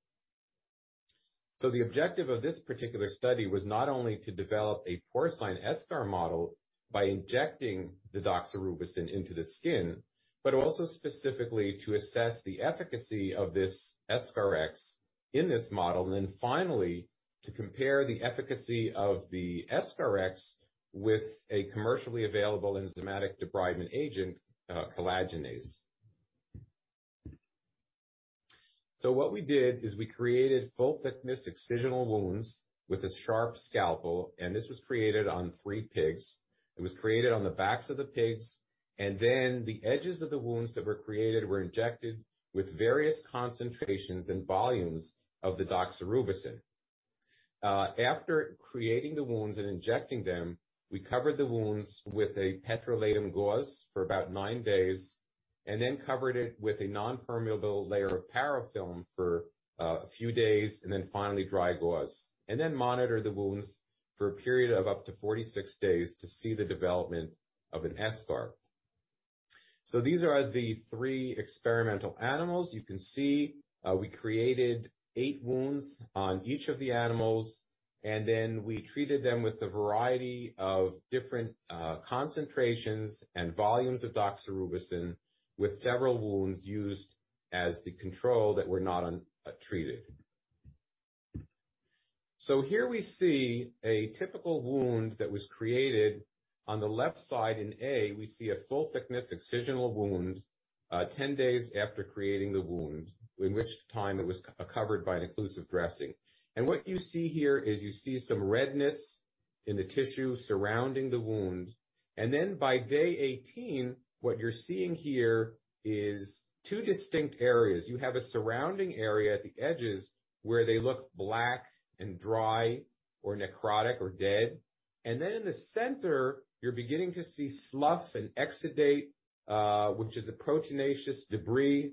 The objective of this particular study was not only to develop a porcine eschar model by injecting the doxorubicin into the skin, but also specifically to assess the efficacy of this EscharEx in this model. Finally, to compare the efficacy of the EscharEx with a commercially available enzymatic debridement agent, collagenase. What we did is we created full-thickness excisional wounds with a sharp scalpel, and this was created on three pigs. It was created on the backs of the pigs, and then the edges of the wounds that were created were injected with various concentrations and volumes of the doxorubicin. After creating the wounds and injecting them, we covered the wounds with a petrolatum gauze for about nine days, and then covered it with a non-permeable layer of parafilm for a few days, and then finally dry gauze. Then monitored the wounds for a period of up to 46 days to see the development of an eschar. These are the three experimental animals. You can see we created eight wounds on each of the animals, and then we treated them with a variety of different concentrations and volumes of doxorubicin, with several wounds used as the control that were not treated. Here we see a typical wound that was created. On the left side in A, we see a full thickness excisional wound 10 days after creating the wound, in which time it was covered by an occlusive dressing. What you see here is you see some redness in the tissue surrounding the wound. By day 18, what you're seeing here is two distinct areas. You have a surrounding area at the edges where they look black and dry or necrotic or dead. In the center, you're beginning to see slough and exudate, which is a proteinaceous debris,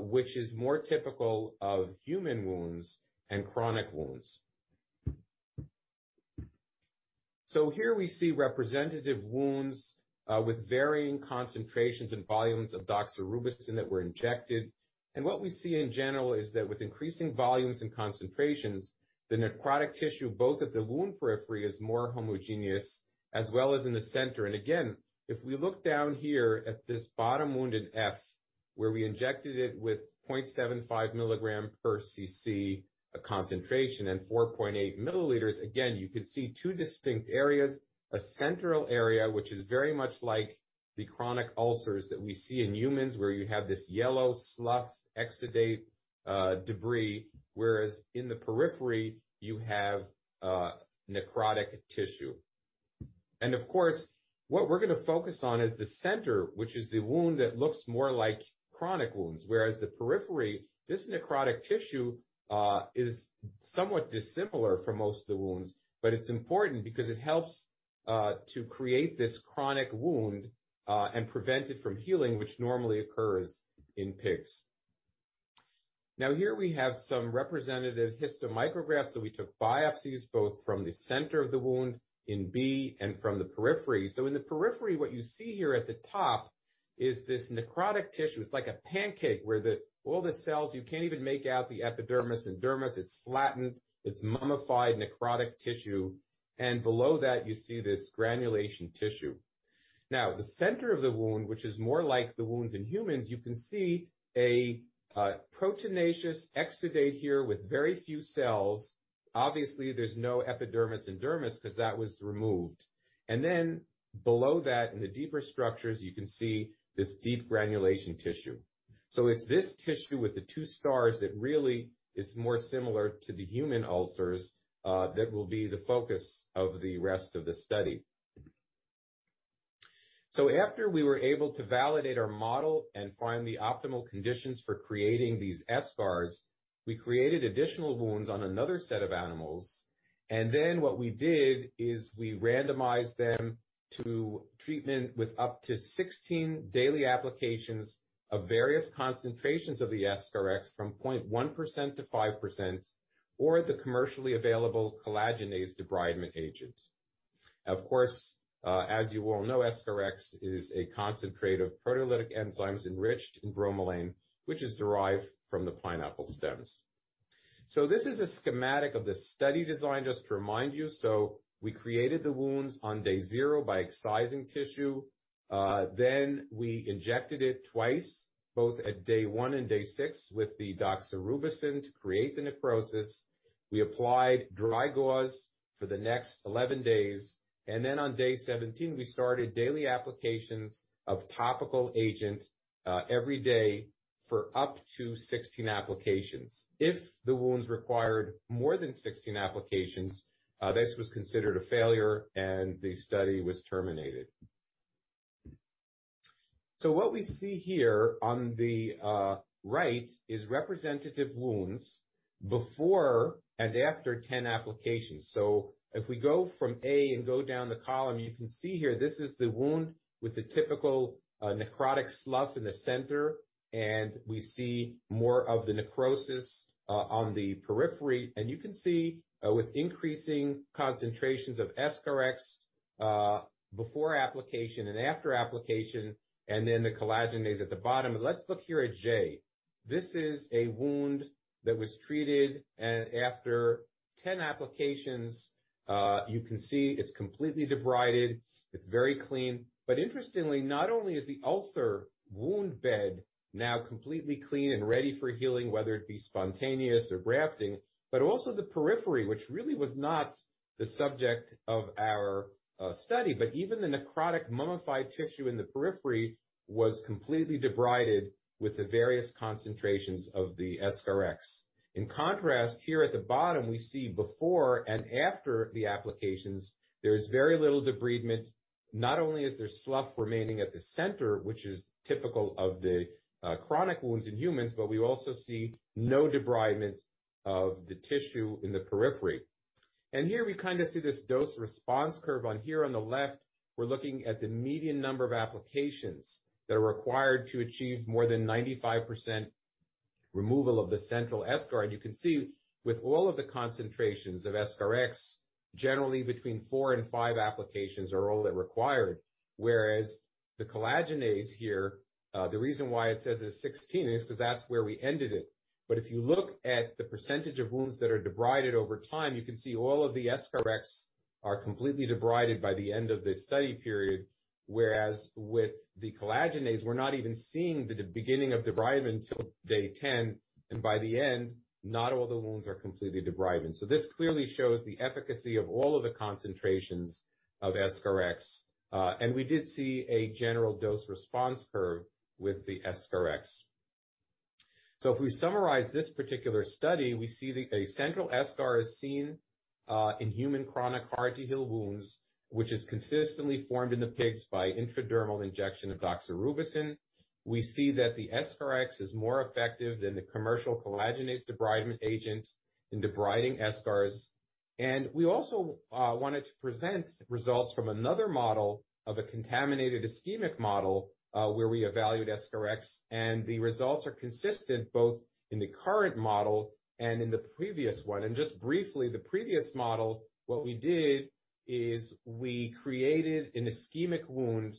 which is more typical of human wounds and chronic wounds. Here we see representative wounds with varying concentrations and volumes of doxorubicin that were injected. What we see in general is that with increasing volumes and concentrations, the necrotic tissue, both at the wound periphery is more homogeneous as well as in the center. Again, if we look down here at this bottom wound in F, where we injected it with 0.75 milligram per cc concentration and 4.8 milliliters, again, you can see two distinct areas, a central area, which is very much like the chronic ulcers that we see in humans, where you have this yellow slough exudate debris, whereas in the periphery, you have necrotic tissue. Of course, what we're going to focus on is the center, which is the wound that looks more like chronic wounds. Whereas the periphery, this necrotic tissue is somewhat dissimilar from most of the wounds, but it's important because it helps to create this chronic wound and prevent it from healing, which normally occurs in pigs. Here we have some representative histomicrographs that we took biopsies both from the center of the wound in B and from the periphery. In the periphery, what you see here at the top is this necrotic tissue. It's like a pancake where all the cells, you can't even make out the epidermis and dermis. It's flattened, it's mummified necrotic tissue, and below that, you see this granulation tissue. The center of the wound, which is more like the wounds in humans, you can see a proteinaceous exudate here with very few cells. Obviously, there's no epidermis and dermis because that was removed. Then below that in the deeper structures, you can see this deep granulation tissue. It's this tissue with the two stars that really is more similar to the human ulcers that will be the focus of the rest of the study. After we were able to validate our model and find the optimal conditions for creating these eschars, we created additional wounds on another set of animals. What we did is we randomized them to treatment with up to 16 daily applications of various concentrations of the EscharEx from 0.1% to 5%, or the commercially available collagenase debridement agent. Of course, as you all know, EscharEx is a concentrate of proteolytic enzymes enriched in bromelain, which is derived from the pineapple stems. This is a schematic of the study design, just to remind you. We created the wounds on day zero by excising tissue. We injected it twice, both at day one and day six with the doxorubicin to create the necrosis. We applied dry gauze for the next 11 days, and then on day 17, we started daily applications of topical agent every day for up to 16 applications. If the wounds required more than 16 applications, this was considered a failure and the study was terminated. What we see here on the right is representative wounds before and after 10 applications. If we go from A and go down the column, you can see here this is the wound with the typical necrotic slough in the center, and we see more of the necrosis on the periphery. You can see with increasing concentrations of EscharEx before application and after application, and then the collagenase at the bottom. Let's look here at J. This is a wound that was treated, and after 10 applications, you can see it's completely debrided. It's very clean. Interestingly, not only is the ulcer wound bed now completely clean and ready for healing, whether it be spontaneous or grafting, but also the periphery, which really was not the subject of our study. Even the necrotic mummified tissue in the periphery was completely debrided with the various concentrations of the EscharEx. In contrast, here at the bottom, we see before and after the applications, there is very little debridement. Not only is there slough remaining at the center, which is typical of the chronic wounds in humans, but we also see no debridement of the tissue in the periphery. Here we kind of see this dose response curve on here on the left. We're looking at the median number of applications that are required to achieve more than 95% removal of the central eschar. You can see with all of the concentrations of EscharEx, generally between four and five applications are all that required. Whereas the collagenase here, the reason why it says it's 16 is because that's where we ended it. If you look at the percentage of wounds that are debrided over time, you can see all of the EscharEx are completely debrided by the end of the study period, whereas with the collagenase, we're not even seeing the beginning of debridement till day 10, and by the end, not all the wounds are completely debrided. This clearly shows the efficacy of all of the concentrations of EscharEx. We did see a general dose-response curve with the EscharEx. If we summarize this particular study, we see a central eschar is seen in human chronic hard-to-heal wounds, which is consistently formed in the pigs by intradermal injection of doxorubicin. We see that the EscharEx is more effective than the commercial collagenase debridement agent in debriding eschars. We also wanted to present results from another model of a contaminated ischemic model, where we evaluated EscharEx, and the results are consistent both in the current model and in the previous one. Just briefly, the previous model, what we did is we created an ischemic wound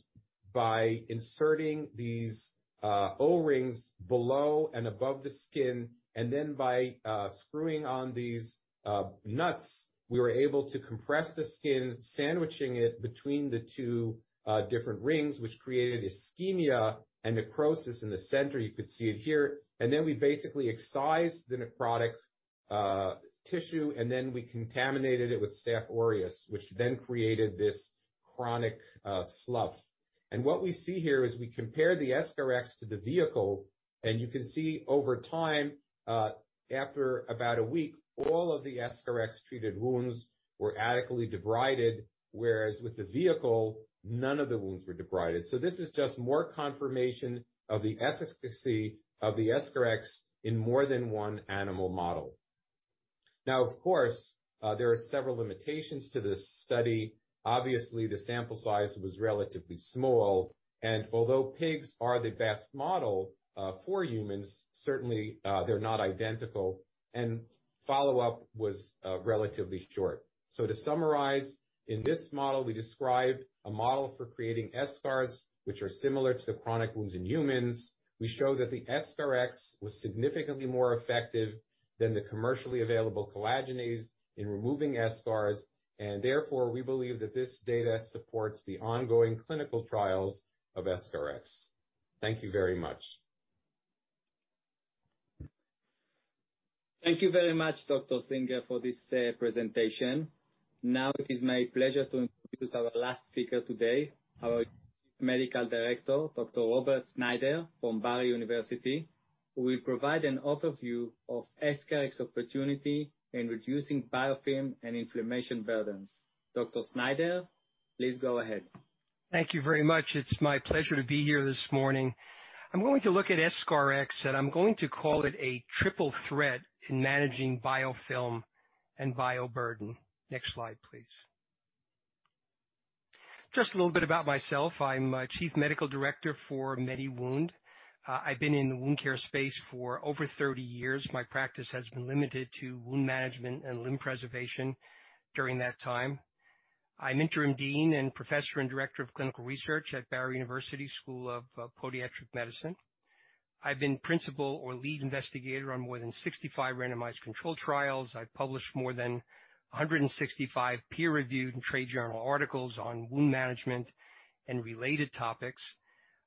by inserting these O-rings below and above the skin, and then by screwing on these nuts, we were able to compress the skin, sandwiching it between the two different rings, which created ischemia and necrosis in the center. You could see it here. Then we basically excised the necrotic tissue, and then we contaminated it with Staphylococcus aureus, which then created this chronic slough. What we see here is we compare the EscharEx to the vehicle, and you can see over time, after about a week, all of the EscharEx-treated wounds were adequately debrided, whereas with the vehicle, none of the wounds were debrided. This is just more confirmation of the efficacy of the EscharEx in more than one animal model. Of course, there are several limitations to this study. Obviously, the sample size was relatively small, and although pigs are the best model for humans, certainly they're not identical, and follow-up was relatively short. To summarize, in this model, we described a model for creating eschars, which are similar to the chronic wounds in humans. We show that the EscharEx was significantly more effective than the commercially available collagenase in removing eschars, and therefore, we believe that this data supports the ongoing clinical trials of EscharEx. Thank you very much. Thank you very much, Dr. Singer, for this presentation. Now it is my pleasure to introduce our last speaker today, our chief medical director, Dr. Robert Snyder from Barry University, who will provide an overview of EscharEx opportunity in reducing biofilm and inflammation burdens. Dr. Snyder, please go ahead. Thank you very much. It's my pleasure to be here this morning. I'm going to look at EscharEx, and I'm going to call it a triple threat in managing biofilm and bioburden. Next slide, please. Just a little bit about myself. I'm Chief Medical Director for MediWound. I've been in the wound care space for over 30 years. My practice has been limited to wound management and limb preservation during that time. I'm Interim Dean and Professor and Director of Clinical Research at Barry University School of Podiatric Medicine. I've been principal or lead investigator on more than 65 randomized controlled trials. I've published more than 165 peer-reviewed and trade journal articles on wound management and related topics.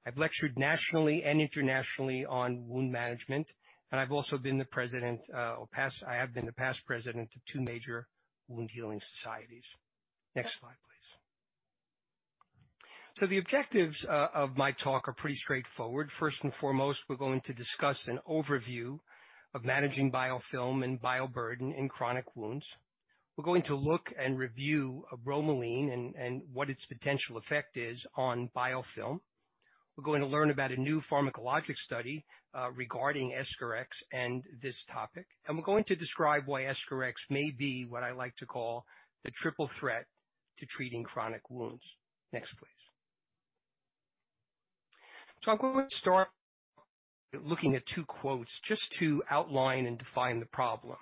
I've lectured nationally and internationally on wound management, and I have been the past president of two major wound healing societies. Next slide, please. The objectives of my talk are pretty straightforward. First and foremost, we're going to discuss an overview of managing biofilm and bioburden in chronic wounds. We're going to look and review bromelain and what its potential effect is on biofilm. We're going to learn about a new pharmacologic study regarding EscharEx and this topic. We're going to describe why EscharEx may be what I like to call the triple threat to treating chronic wounds. Next, please. I'm going to start looking at two quotes just to outline and define the problem.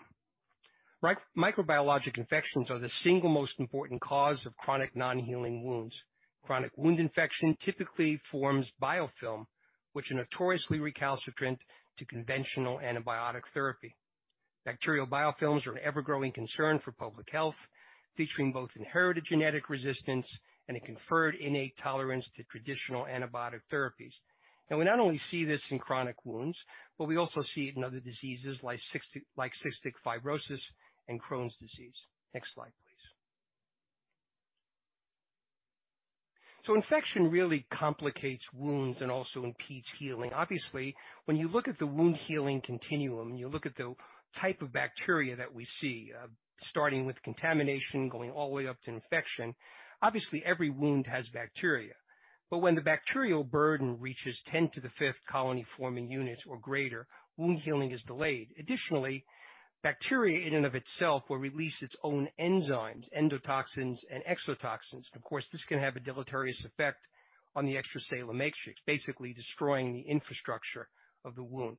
Microbiologic infections are the single most important cause of chronic non-healing wounds. Chronic wound infection typically forms biofilm, which are notoriously recalcitrant to conventional antibiotic therapy. Bacterial biofilms are an ever-growing concern for public health, featuring both inherited genetic resistance and a conferred innate tolerance to traditional antibiotic therapies. We not only see this in chronic wounds, but we also see it in other diseases like cystic fibrosis and Crohn's disease. Next slide, please. Infection really complicates wounds and also impedes healing. Obviously, when you look at the wound-healing continuum, you look at the type of bacteria that we see, starting with contamination going all the way up to infection. Obviously, every wound has bacteria. When the bacterial burden reaches 10 to the fifth colony-forming units or greater, wound healing is delayed. Additionally, bacteria in and of itself will release its own enzymes, endotoxins, and exotoxins. Of course, this can have a deleterious effect on the extracellular matrix, basically destroying the infrastructure of the wound.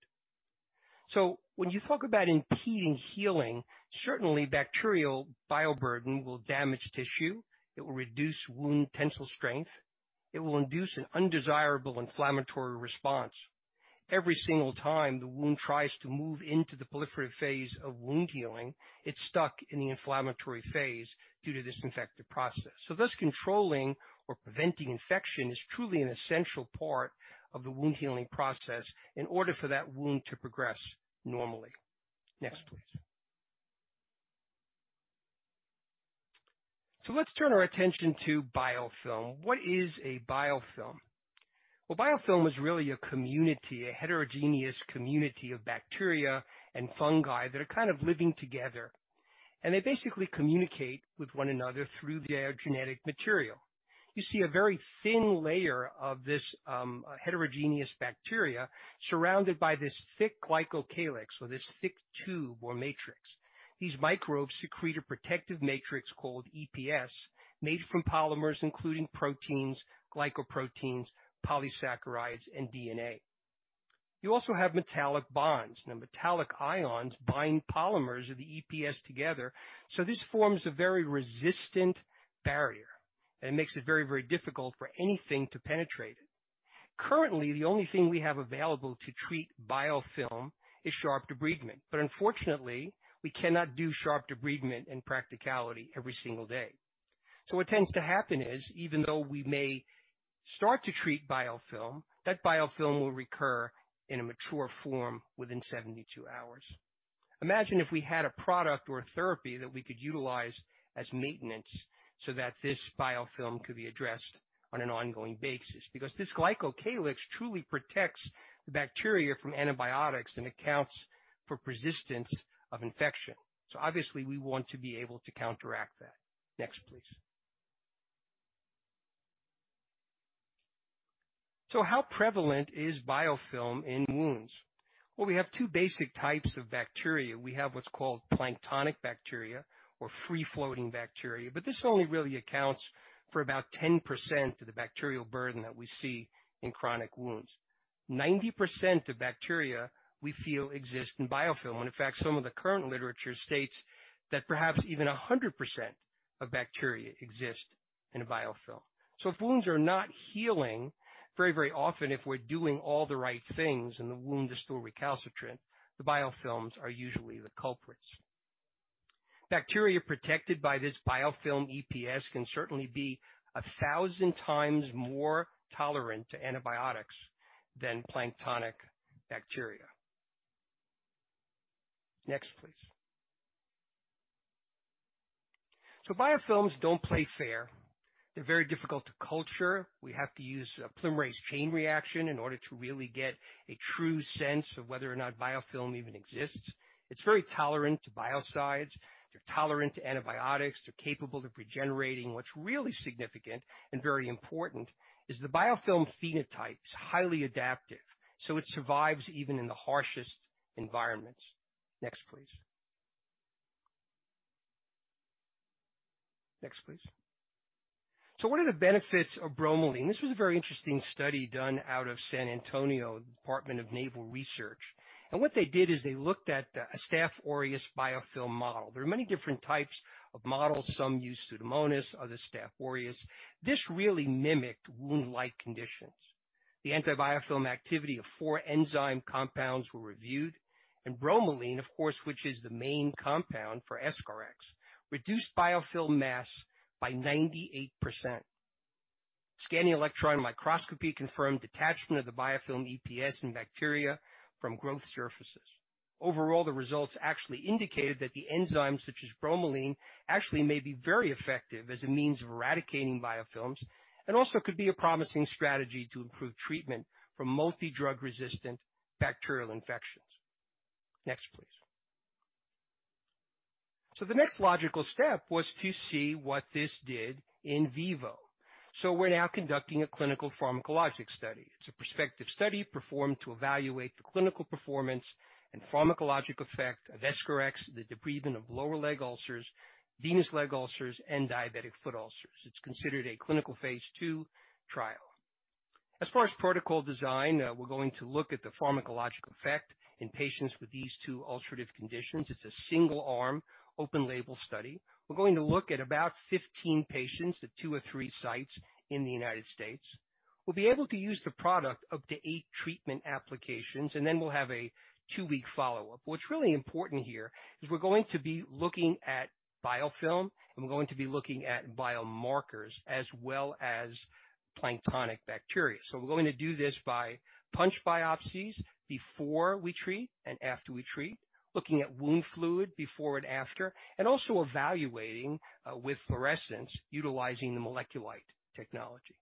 When you talk about impeding healing, certainly bacterial bioburden will damage tissue, it will reduce wound tensile strength, it will induce an undesirable inflammatory response. Every single time the wound tries to move into the proliferative phase of wound healing, it's stuck in the inflammatory phase due to this infective process. Thus, controlling or preventing infection is truly an essential part of the wound healing process in order for that wound to progress normally. Next, please. Let's turn our attention to biofilm. What is a biofilm? Well, biofilm is really a community, a heterogeneous community of bacteria and fungi that are kind of living together, and they basically communicate with one another through their genetic material. You see a very thin layer of this heterogeneous bacteria surrounded by this thick glycocalyx or this thick tube or matrix. These microbes secrete a protective matrix called EPS, made from polymers including proteins, glycoproteins, polysaccharides, and DNA. You also have metallic bonds. Metallic ions bind polymers of the EPS together, this forms a very resistant barrier, and it makes it very, very difficult for anything to penetrate it. Currently, the only thing we have available to treat biofilm is sharp debridement. Unfortunately, we cannot do sharp debridement in practicality every single day. What tends to happen is, even though we may start to treat biofilm, that biofilm will recur in a mature form within 72 hours. Imagine if we had a product or a therapy that we could utilize as maintenance so that this biofilm could be addressed on an ongoing basis, because this glycocalyx truly protects the bacteria from antibiotics and accounts for persistence of infection. Obviously, we want to be able to counteract that. Next, please. How prevalent is biofilm in wounds? Well, we have two basic types of bacteria. We have what's called planktonic bacteria or free-floating bacteria, but this only really accounts for about 10% of the bacterial burden that we see in chronic wounds. 90% of bacteria, we feel exist in biofilm. When in fact, some of the current literature states that perhaps even 100% of bacteria exist in a biofilm. If wounds are not healing, very, very often, if we're doing all the right things and the wound is still recalcitrant, the biofilms are usually the culprits. Bacteria protected by this biofilm EPS can certainly be 1,000x more tolerant to antibiotics than planktonic bacteria. Next, please. Biofilms don't play fair. They're very difficult to culture. We have to use a polymerase chain reaction in order to really get a true sense of whether or not biofilm even exists. It's very tolerant to biocides. They're tolerant to antibiotics. They're capable of regenerating. What's really significant and very important is the biofilm phenotype is highly adaptive, so it survives even in the harshest environments. Next, please. What are the benefits of bromelain? This was a very interesting study done out of San Antonio, Office of Naval Research, and what they did is they looked at a Staphylococcus aureus biofilm model. There are many different types of models. Some use Pseudomonas, others Staphylococcus aureus. This really mimicked wound-like conditions. The antibiofilm activity of four enzyme compounds were reviewed, and bromelain, of course, which is the main compound for EscharEx, reduced biofilm mass by 98%. Scanning electron microscopy confirmed detachment of the biofilm EPS and bacteria from growth surfaces. Overall, the results actually indicated that the enzymes such as bromelain actually may be very effective as a means of eradicating biofilms and also could be a promising strategy to improve treatment for multi-drug resistant bacterial infections. Next, please. The next logical step was to see what this did in vivo. We're now conducting a clinical pharmacologic study. It's a prospective study performed to evaluate the clinical performance and pharmacologic effect of EscharEx, the debridement of lower leg ulcers, venous leg ulcers, and diabetic foot ulcers. It's considered a clinical phase II trial. As far as protocol design, we're going to look at the pharmacologic effect in patients with these two ulcerative conditions. It's a single-arm open-label study. We're going to look at about 15 patients at two or three sites in the United States. We'll be able to use the product up to eight treatment applications, and then we'll have a two-week follow-up. What's really important here is we're going to be looking at biofilm, and we're going to be looking at biomarkers as well as planktonic bacteria. We're going to do this by punch biopsies before we treat and after we treat, looking at wound fluid before and after, and also evaluating with fluorescence utilizing the MolecuLight technology.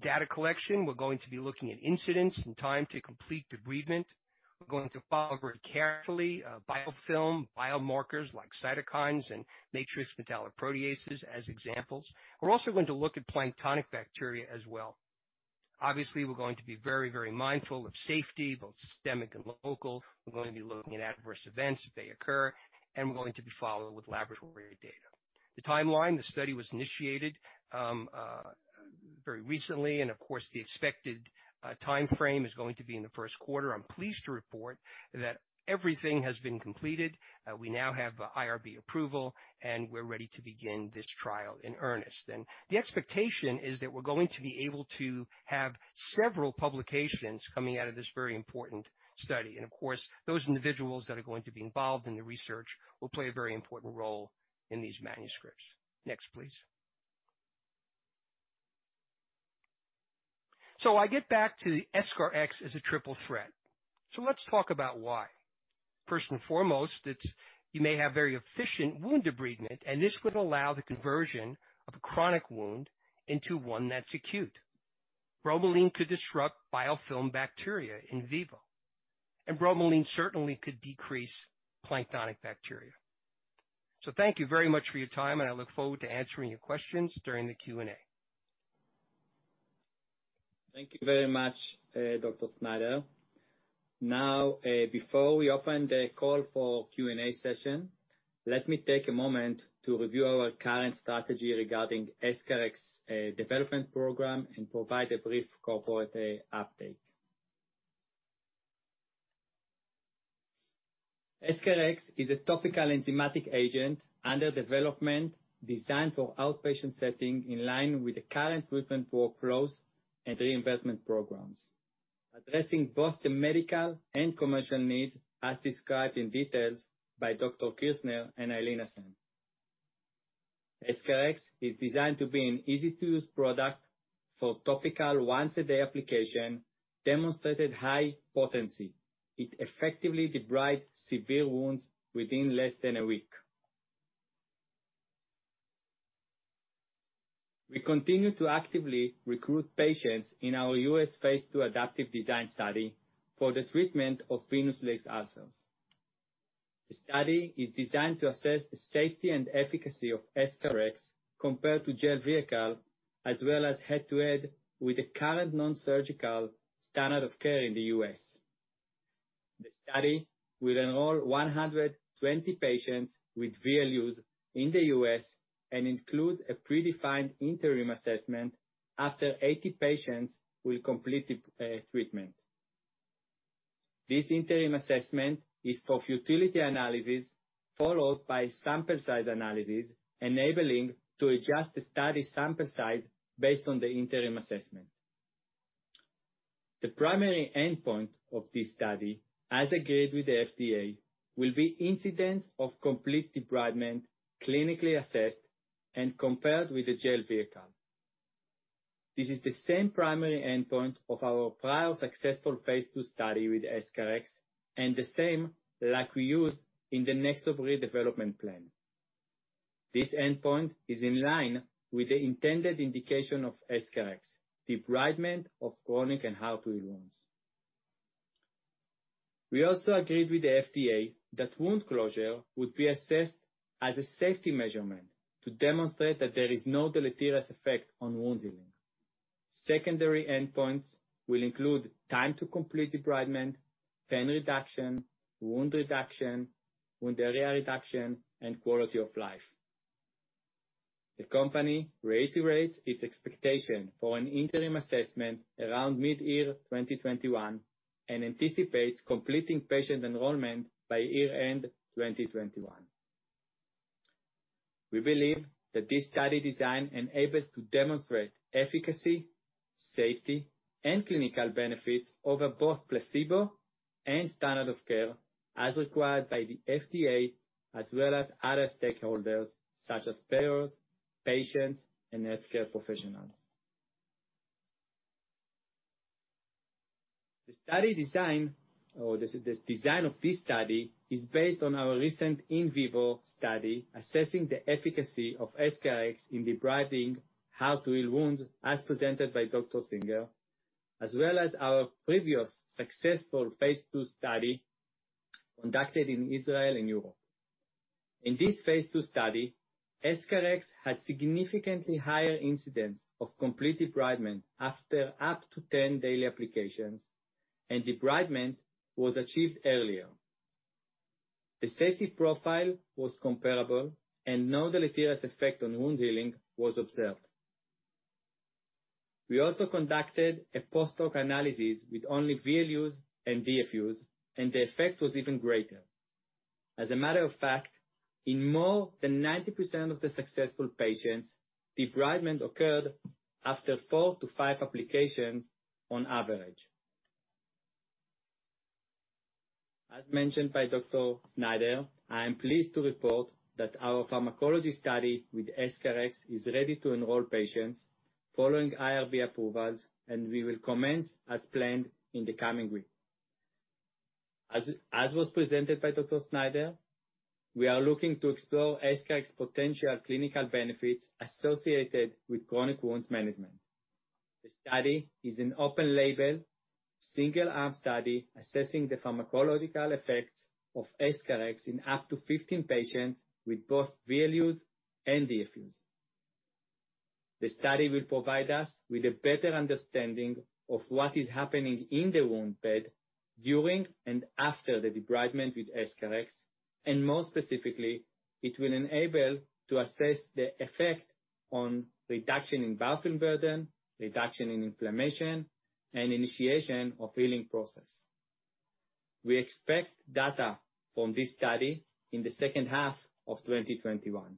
Data collection, we're going to be looking at incidence and time to complete debridement. We're going to follow very carefully biofilm biomarkers like cytokines and matrix metalloproteinases as examples. We're also going to look at planktonic bacteria as well. Obviously, we're going to be very, very mindful of safety, both systemic and local. We're going to be looking at adverse events if they occur, and we're going to be following with laboratory data. The timeline, the study was initiated very recently, the expected timeframe is going to be in the first quarter. I'm pleased to report that everything has been completed. We now have the IRB approval, we're ready to begin this trial in earnest. The expectation is that we're going to be able to have several publications coming out of this very important study. Those individuals that are going to be involved in the research will play a very important role in these manuscripts. Next, please. I get back to EscharEx as a triple threat. Let's talk about why. First and foremost, it's you may have very efficient wound debridement, and this would allow the conversion of a chronic wound into one that's acute. Bromelain could disrupt biofilm bacteria in vivo, and bromelain certainly could decrease planktonic bacteria. Thank you very much for your time, and I look forward to answering your questions during the Q&A. Thank you very much, Dr. Snyder. Before we open the call for Q&A session, let me take a moment to review our current strategy regarding EscharEx development program and provide a brief corporate update. EscharEx is a topical enzymatic agent under development designed for outpatient setting in line with the current treatment workflows and reinvestment programs, addressing both the medical and commercial need, as described in details by Dr. Kirsner and Ilina Sen. EscharEx is designed to be an easy-to-use product for topical once-a-day application, demonstrated high potency. It effectively debrides severe wounds within less than a week. We continue to actively recruit patients in our U.S. phase II adaptive design study for the treatment of venous leg ulcers. The study is designed to assess the safety and efficacy of EscharEx compared to gel vehicle, as well as head-to-head with the current non-surgical standard of care in the U.S. The study will enroll 120 patients with VLUs in the U.S. and includes a predefined interim assessment after 80 patients will complete the treatment. This interim assessment is for futility analysis followed by sample size analysis, enabling to adjust the study sample size based on the interim assessment. The primary endpoint of this study, as agreed with the FDA, will be incidence of complete debridement, clinically assessed and compared with the gel vehicle. This is the same primary endpoint of our prior successful phase II study with EscharEx and the same like we used in the NexoBrid development plan. This endpoint is in line with the intended indication of EscharEx, debridement of chronic and hard-to-heal wounds. We also agreed with the FDA that wound closure would be assessed as a safety measurement to demonstrate that there is no deleterious effect on wound healing. Secondary endpoints will include time to complete debridement, pain reduction, wound reduction, wound area reduction, and quality of life. The company reiterates its expectation for an interim assessment around mid-year 2021 and anticipates completing patient enrollment by year-end 2021. We believe that this study design enables to demonstrate efficacy, safety, and clinical benefits over both placebo and standard of care as required by the FDA, as well as other stakeholders such as payers, patients, and healthcare professionals. The study design or the design of this study is based on our recent in vivo study assessing the efficacy of EscharEx in debriding hard-to-heal wounds, as presented by Dr. Singer, as well as our previous successful phase II study conducted in Israel and Europe. In this phase II study, EscharEx had significantly higher incidence of complete debridement after up to 10 daily applications, and debridement was achieved earlier. The safety profile was comparable and no deleterious effect on wound healing was observed. We also conducted a post-hoc analysis with only VLUs and DFUs, and the effect was even greater. As a matter of fact, in more than 90% of the successful patients, debridement occurred after four to five applications on average. As mentioned by Dr. Snyder, I am pleased to report that our pharmacology study with EscharEx is ready to enroll patients following IRB approvals, and we will commence as planned in the coming week. As was presented by Dr. Snyder, we are looking to explore EscharEx potential clinical benefits associated with chronic wounds management. The study is an open-label, single-arm study assessing the pharmacological effects of EscharEx in up to 15 patients with both VLUs and DFUs. The study will provide us with a better understanding of what is happening in the wound bed during and after the debridement with EscharEx, and more specifically, it will enable to assess the effect on reduction in biofilm burden, reduction in inflammation, and initiation of healing process. We expect data from this study in the second half of 2021.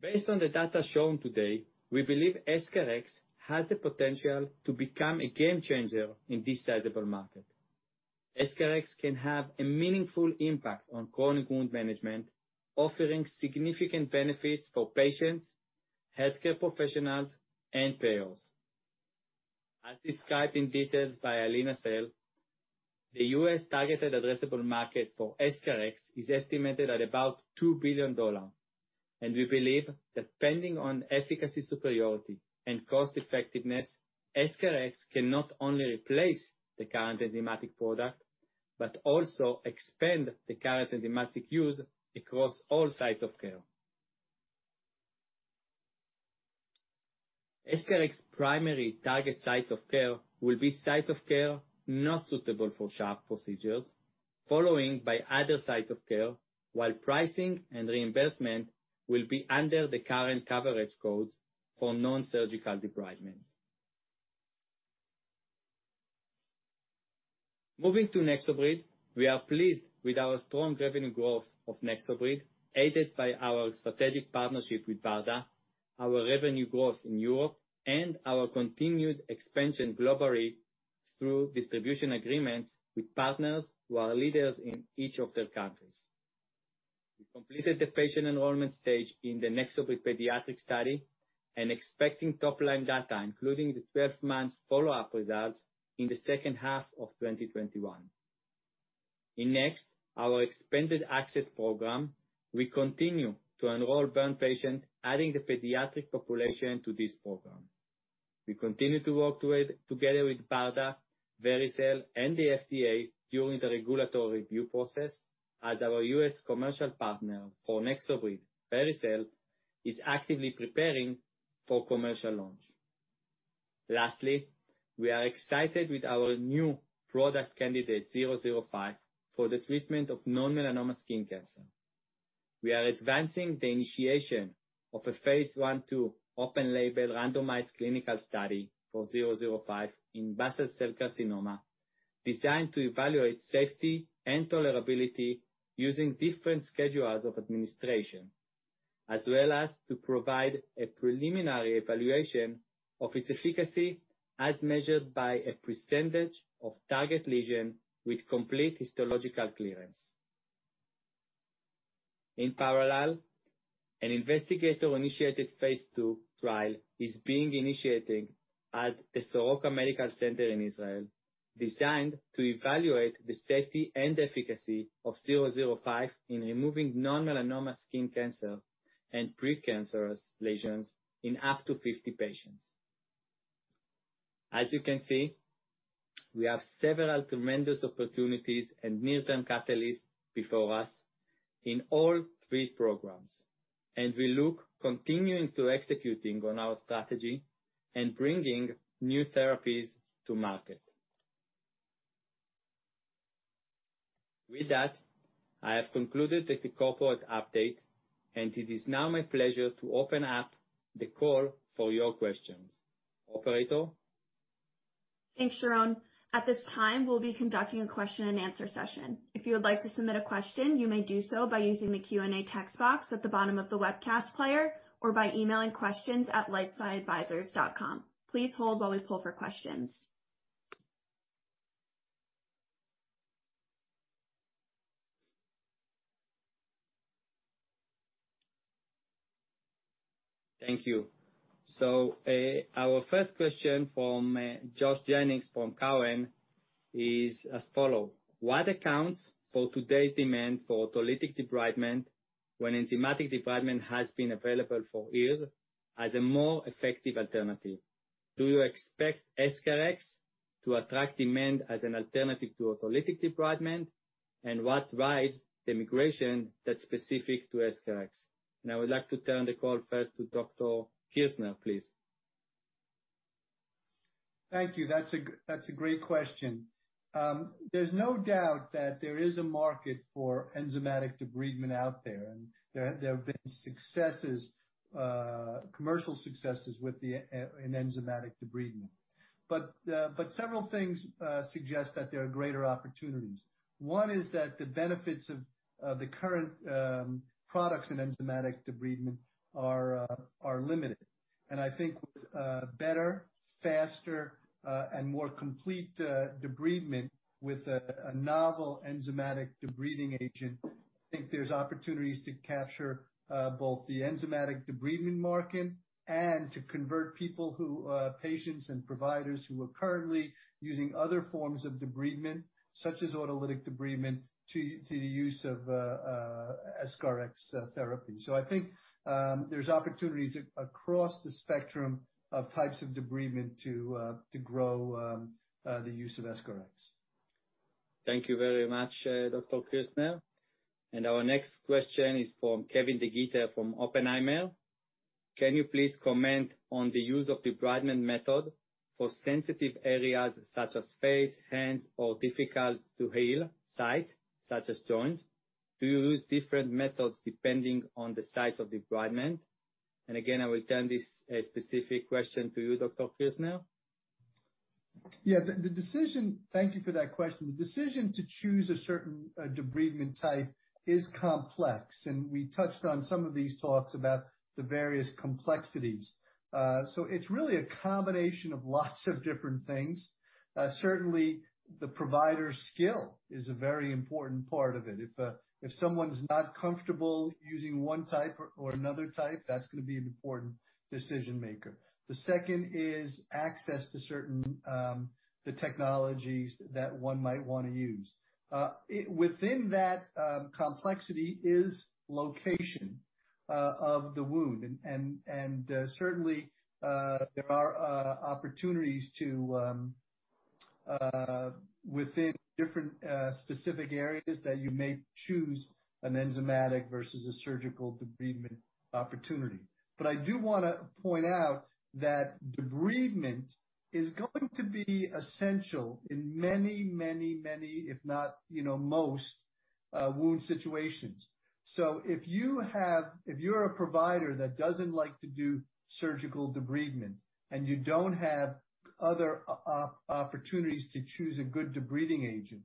Based on the data shown today, we believe EscharEx has the potential to become a game changer in this sizable market. EscharEx can have a meaningful impact on chronic wound management, offering significant benefits for patients, healthcare professionals, and payers. As described in details by Ilina Sen, the U.S. targeted addressable market for EscharEx is estimated at about $2 billion. We believe that pending on efficacy superiority and cost effectiveness, EscharEx can not only replace the current enzymatic product, but also expand the current enzymatic use across all sites of care. EscharEx primary target sites of care will be sites of care not suitable for sharp procedures, following by other sites of care, while pricing and reimbursement will be under the current coverage codes for non-surgical debridement. Moving to NexoBrid, we are pleased with our strong revenue growth of NexoBrid, aided by our strategic partnership with BARDA, our revenue growth in Europe, and our continued expansion globally through distribution agreements with partners who are leaders in each of their countries. We completed the patient enrollment stage in the NexoBrid pediatric study and expecting top-line data, including the 12-months follow-up results in the second half of 2021. In NEXT, our expanded access program, we continue to enroll burn patients, adding the pediatric population to this program. We continue to work together with BARDA, Vericel, and the FDA during the regulatory review process as our U.S. commercial partner for NexoBrid, Vericel, is actively preparing for commercial launch. Lastly, we are excited with our new product candidate 005 for the treatment of non-melanoma skin cancer. We are advancing the initiation of a phase I-II open label randomized clinical study for 005 in basal cell carcinoma designed to evaluate safety and tolerability using different schedules of administration. As well as to provide a preliminary evaluation of its efficacy as measured by a percentage of target lesion with complete histological clearance. In parallel, an investigator-initiated phase II trial is being initiated at the Soroka Medical Center in Israel designed to evaluate the safety and efficacy of 005 in removing non-melanoma skin cancer and pre-cancerous lesions in up to 50 patients. As you can see, we have several tremendous opportunities and near-term catalysts before us in all three programs, and we look continuing to executing on our strategy and bringing new therapies to market. With that, I have concluded the corporate update, and it is now my pleasure to open up the call for your questions. Operator? Thanks, Sharon. At this time, we'll be conducting a question-and-answer session. If you would like to submit a question, you may do so by using the Q&A text box at the bottom of the webcast player or by emailing questions at lifesciadvisors.com. Please hold while we poll for questions. Thank you. Our first question from Josh Jennings from Cowen is as follows. What accounts for today's demand for autolytic debridement when enzymatic debridement has been available for years as a more effective alternative? Do you expect EscharEx to attract demand as an alternative to autolytic debridement? What drives the migration that's specific to EscharEx? I would like to turn the call first to Dr. Kirsner, please. Thank you. That's a great question. There's no doubt that there is a market for enzymatic debridement out there, and there have been commercial successes with an enzymatic debridement. Several things suggest that there are greater opportunities. One is that the benefits of the current products in enzymatic debridement are limited. I think with better, faster, and more complete debridement with a novel enzymatic debriding agent, I think there's opportunities to capture both the enzymatic debridement market and to convert patients and providers who are currently using other forms of debridement, such as autolytic debridement, to the use of EscharEx therapy. I think there's opportunities across the spectrum of types of debridement to grow the use of EscharEx. Thank you very much, Dr. Kirsner. Our next question is from Kevin DeGeeter from Oppenheimer. Can you please comment on the use of debridement method for sensitive areas such as face, hands, or difficult to heal sites such as joints? Do you use different methods depending on the sites of debridement? Again, I will turn this specific question to you, Dr. Kirsner. Yeah. Thank you for that question. The decision to choose a certain debridement type is complex, and we touched on some of these talks about the various complexities. It's really a combination of lots of different things. Certainly, the provider's skill is a very important part of it. If someone's not comfortable using one type or another type, that's going to be an important decision-maker. The second is access to certain technologies that one might want to use. Within that complexity is location of the wound, and certainly, there are opportunities to, within different specific areas that you may choose an enzymatic versus a surgical debridement opportunity. I do want to point out that debridement is going to be essential in many, if not most, wound situations. If you're a provider that doesn't like to do surgical debridement and you don't have other opportunities to choose a good debriding agent,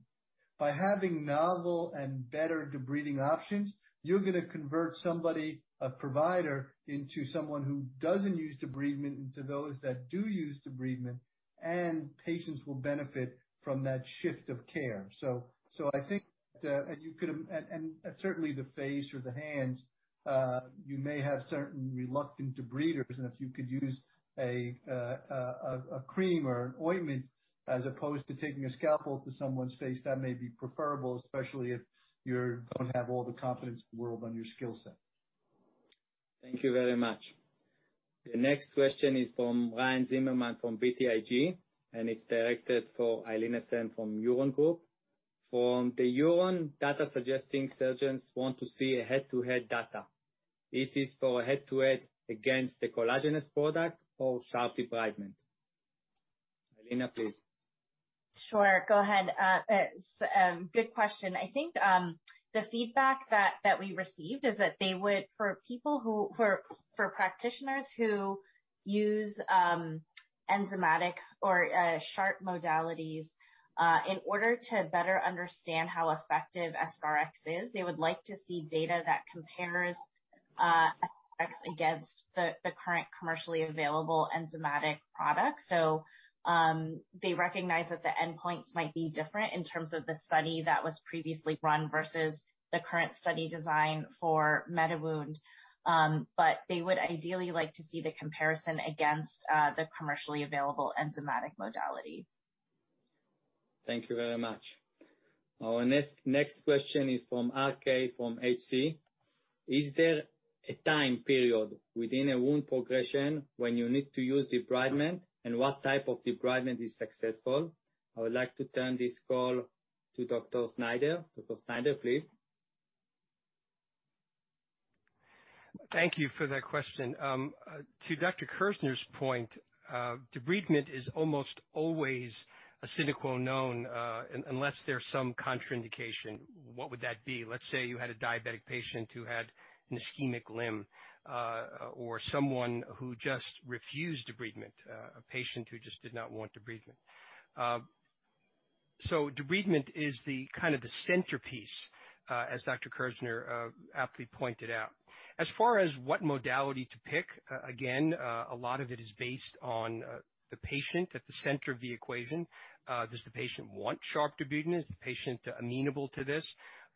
by having novel and better debriding options, you're going to convert a provider into someone who doesn't use debridement into those that do use debridement, and patients will benefit from that shift of care. I think that you could. Certainly, the face or the hands, you may have certain reluctant debriders, and if you could use a cream or an ointment as opposed to taking a scalpel to someone's face, that may be preferable, especially if you don't have all the confidence in the world on your skill set. Thank you very much. The next question is from Ryan Zimmerman from BTIG, and it's directed for Ilina Sen from Huron Consulting Group. From the Huron data suggesting surgeons want to see a head-to-head data. Is this for head-to-head against the collagenase product or sharp debridement? Ilina, please. Sure. Go ahead. Good question. I think, the feedback that we received is that for practitioners who use enzymatic or sharp modalities, in order to better understand how effective EscharEx is, they would like to see data that compares EscharEx against the current commercially available enzymatic products. They recognize that the endpoints might be different in terms of the study that was previously run versus the current study design for MediWound. They would ideally like to see the comparison against the commercially available enzymatic modality. Thank you very much. Our next question is from RK from HC. Is there a time period within a wound progression when you need to use debridement, and what type of debridement is successful? I would like to turn this call to Dr. Snyder. Dr. Snyder, please. Thank you for that question. To Dr. Kirsner's point, debridement is almost always a sine qua non, unless there's some contraindication. What would that be? Let's say you had a diabetic patient who had an ischemic limb, or someone who just refused debridement, a patient who just did not want debridement. Debridement is the centerpiece, as Dr. Kirsner aptly pointed out. As far as what modality to pick, again, a lot of it is based on the patient at the center of the equation. Does the patient want sharp debridement? Is the patient amenable to this?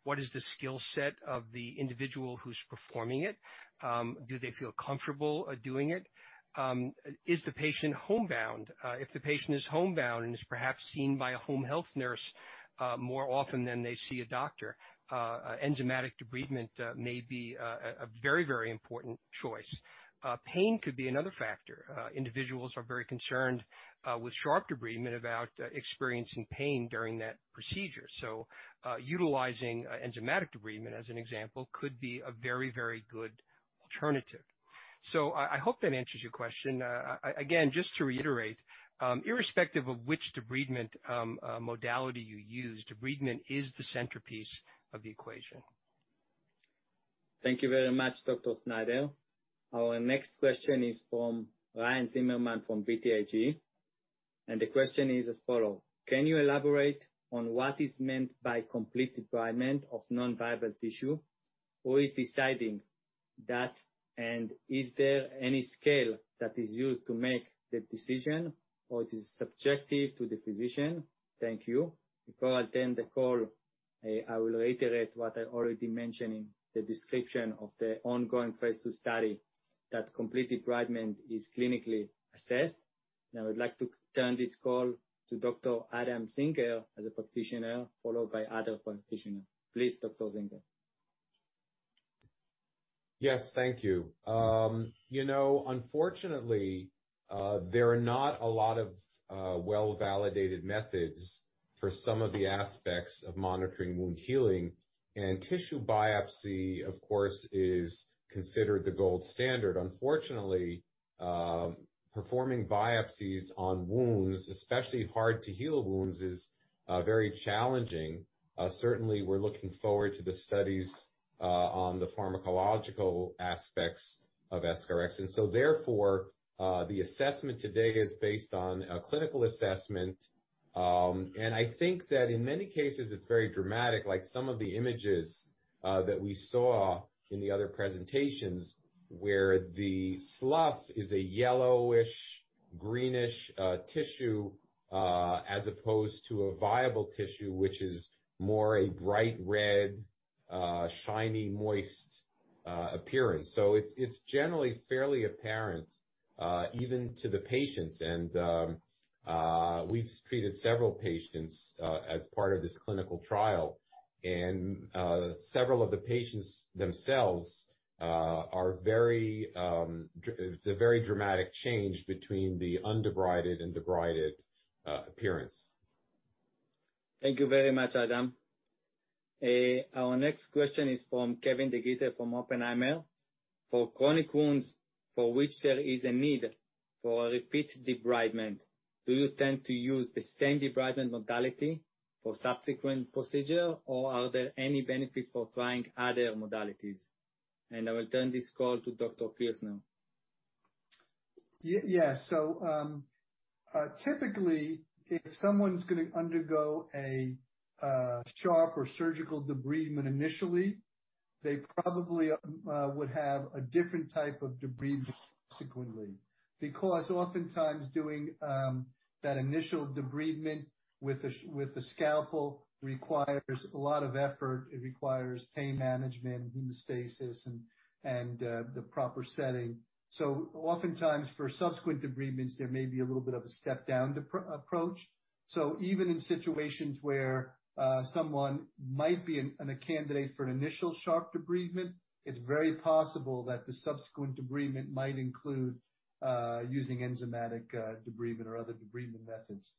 What is the skill set of the individual who's performing it? Do they feel comfortable doing it? Is the patient homebound? If the patient is homebound and is perhaps seen by a home health nurse more often than they see a doctor, enzymatic debridement may be a very important choice. Pain could be another factor. Individuals are very concerned with sharp debridement about experiencing pain during that procedure. Utilizing enzymatic debridement, as an example, could be a very good alternative. I hope that answers your question. Again, just to reiterate, irrespective of which debridement modality you use, debridement is the centerpiece of the equation. Thank you very much, Dr. Snyder. Our next question is from Ryan Zimmerman from BTIG. The question is as follows. Can you elaborate on what is meant by complete debridement of non-viable tissue? Who is deciding that, and is there any scale that is used to make the decision, or it is subjective to the physician? Thank you. Before I turn the call, I will reiterate what I already mentioned in the description of the ongoing phase II study that complete debridement is clinically assessed. Now, I'd like to turn this call to Dr. Adam Singer as a practitioner, followed by other practitioners. Please, Dr. Singer. Yes, thank you. Unfortunately, there are not a lot of well-validated methods for some of the aspects of monitoring wound healing. Tissue biopsy, of course, is considered the gold standard. Unfortunately, performing biopsies on wounds, especially hard-to-heal wounds, is very challenging. Certainly, we're looking forward to the studies on the pharmacological aspects of EscharEx. Therefore, the assessment to date is based on a clinical assessment. I think that in many cases, it's very dramatic, like some of the images that we saw in the other presentations, where the slough is a yellowish-greenish tissue, as opposed to a viable tissue, which is more a bright red, shiny, moist appearance. It's generally fairly apparent, even to the patients. We've treated several patients as part of this clinical trial, and several of the patients themselves, it's a very dramatic change between the undebrieded and debrided appearance. Thank you very much, Adam. Our next question is from Kevin DeGeeter from Oppenheimer. "For chronic wounds for which there is a need for a repeat debridement, do you tend to use the same debridement modality for subsequent procedure, or are there any benefits for trying other modalities?" I will turn this call to Dr. Kirsner. Yeah. Typically, if someone's going to undergo a sharp or surgical debridement initially, they probably would have a different type of debridement subsequently, because oftentimes doing that initial debridement with a scalpel requires a lot of effort. It requires pain management, hemostasis, and the proper setting. Oftentimes for subsequent debridements, there may be a little bit of a step-down approach. Even in situations where someone might be a candidate for an initial sharp debridement, it's very possible that the subsequent debridement might include using enzymatic debridement or other debridement methods.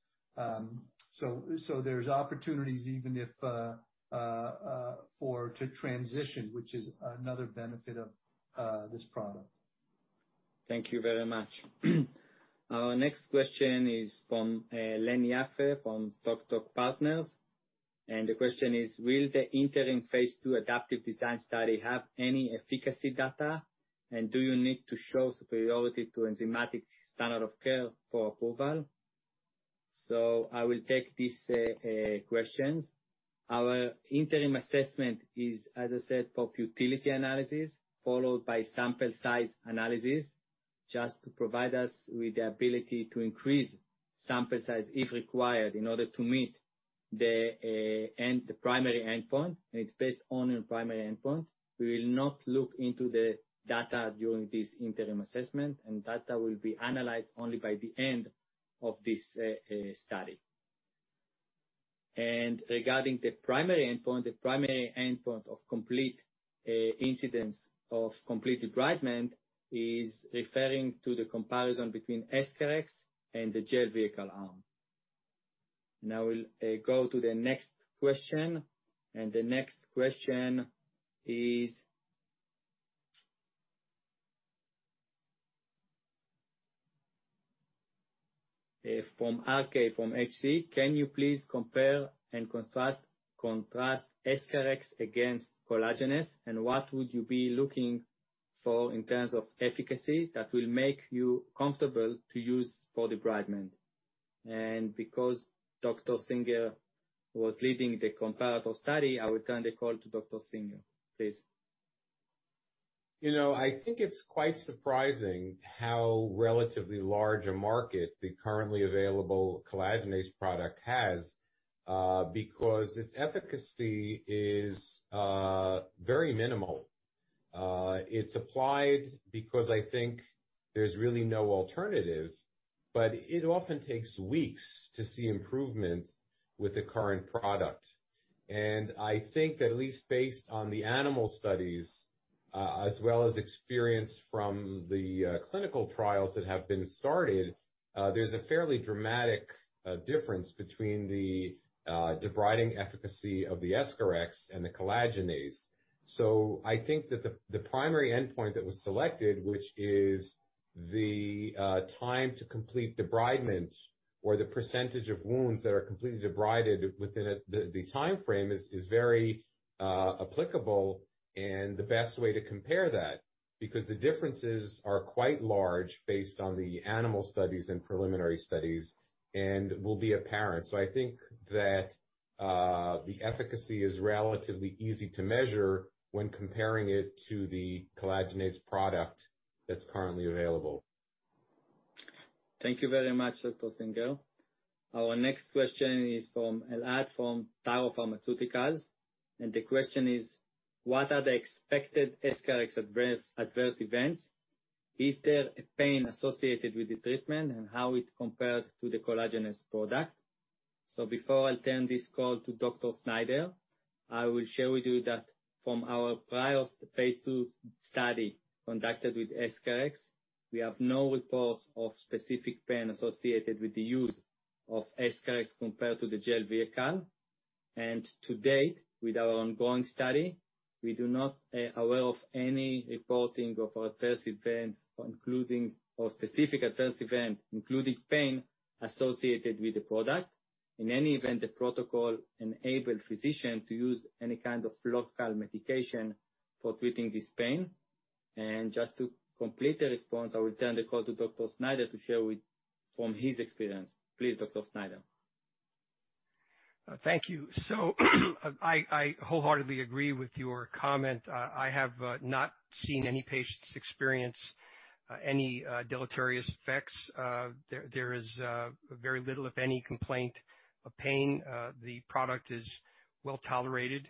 There's opportunities even to transition, which is another benefit of this product. Thank you very much. Our next question is from Lenny Yaffe from Stoc*Doc Partners, and the question is: "Will the interim phase II adaptive design study have any efficacy data, and do you need to show superiority to enzymatic standard of care for approval?" I will take these questions. Our interim assessment is, as I said, for futility analysis followed by sample size analysis, just to provide us with the ability to increase sample size if required in order to meet the primary endpoint. It's based on a primary endpoint. We will not look into the data during this interim assessment. Data will be analyzed only by the end of this study. Regarding the primary endpoint, the primary endpoint of complete incidence of complete debridement is referring to the comparison between EscharEx and the gel vehicle arm. Now we'll go to the next question. The next question is from RK, from HC. Can you please compare and contrast EscharEx against collagenase, and what would you be looking for in terms of efficacy that will make you comfortable to use for debridement? Because Dr. Singer was leading the comparator study, I will turn the call to Dr. Singer, please. I think it's quite surprising how relatively large a market the currently available collagenase product has, because its efficacy is very minimal. It's applied because I think there's really no alternative, but it often takes weeks to see improvement with the current product. I think that, at least based on the animal studies, as well as experience from the clinical trials that have been started, there's a fairly dramatic difference between the debriding efficacy of the EscharEx and the collagenase. I think that the primary endpoint that was selected, which is the time to complete debridement or the percentage of wounds that are completely debrided within the timeframe, is very applicable and the best way to compare that, because the differences are quite large based on the animal studies and preliminary studies and will be apparent. I think that the efficacy is relatively easy to measure when comparing it to the collagenase product that's currently available. Thank you very much, Dr. Singer. Our next question is from Elad, from Taro Pharmaceuticals. The question is: "What are the expected EscharEx adverse events? Is there a pain associated with the treatment, and how it compares to the collagenase product?"Before I turn this call to Dr. Snyder, I will share with you that from our prior phase II study conducted with EscharEx, we have no reports of specific pain associated with the use of EscharEx compared to the gel vehicle. To date, with our ongoing study, we do not aware of any reporting of adverse events or specific adverse event, including pain associated with the product. In any event, the protocol enabled physician to use any kind of local medication for treating this pain. Just to complete the response, I will turn the call to Dr. Snyder to share from his experience. Please, Dr. Snyder. Thank you. I wholeheartedly agree with your comment. I have not seen any patients experience any deleterious effects. There is very little, if any complaint of pain. The product is well-tolerated.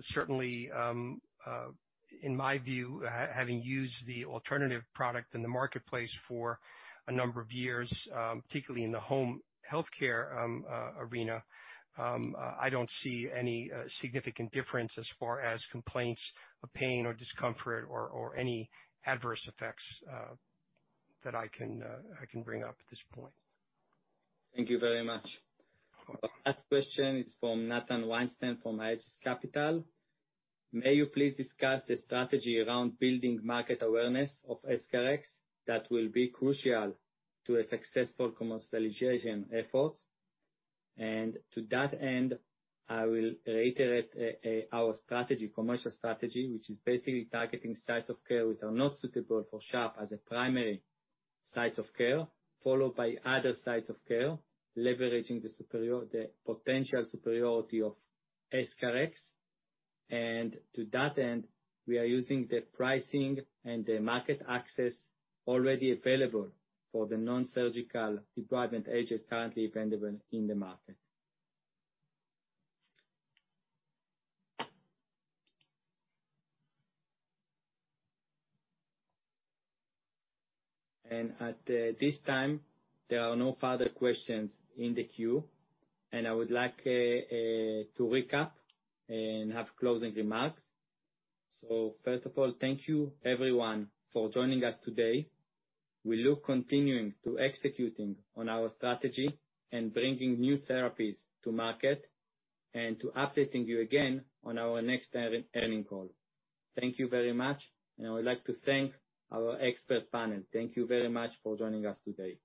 Certainly, in my view, having used the alternative product in the marketplace for a number of years, particularly in the home healthcare arena, I don't see any significant difference as far as complaints of pain or discomfort or any adverse effects that I can bring up at this point. Thank you very much. Our last question is from Nathan Weinstein from Aegis Capital. "May you please discuss the strategy around building market awareness of EscharEx that will be crucial to a successful commercialization effort?" To that end, I will reiterate our commercial strategy, which is basically targeting sites of care which are not suitable for sharp as a primary sites of care, followed by other sites of care, leveraging the potential superiority of EscharEx. To that end, we are using the pricing and the market access already available for the non-surgical debridement agent currently available in the market. At this time, there are no further questions in the queue, and I would like to recap and have closing remarks. First of all, thank you everyone for joining us today. We look continuing to executing on our strategy and bringing new therapies to market, and to updating you again on our next earning call. Thank you very much, and I would like to thank our expert panel. Thank you very much for joining us today.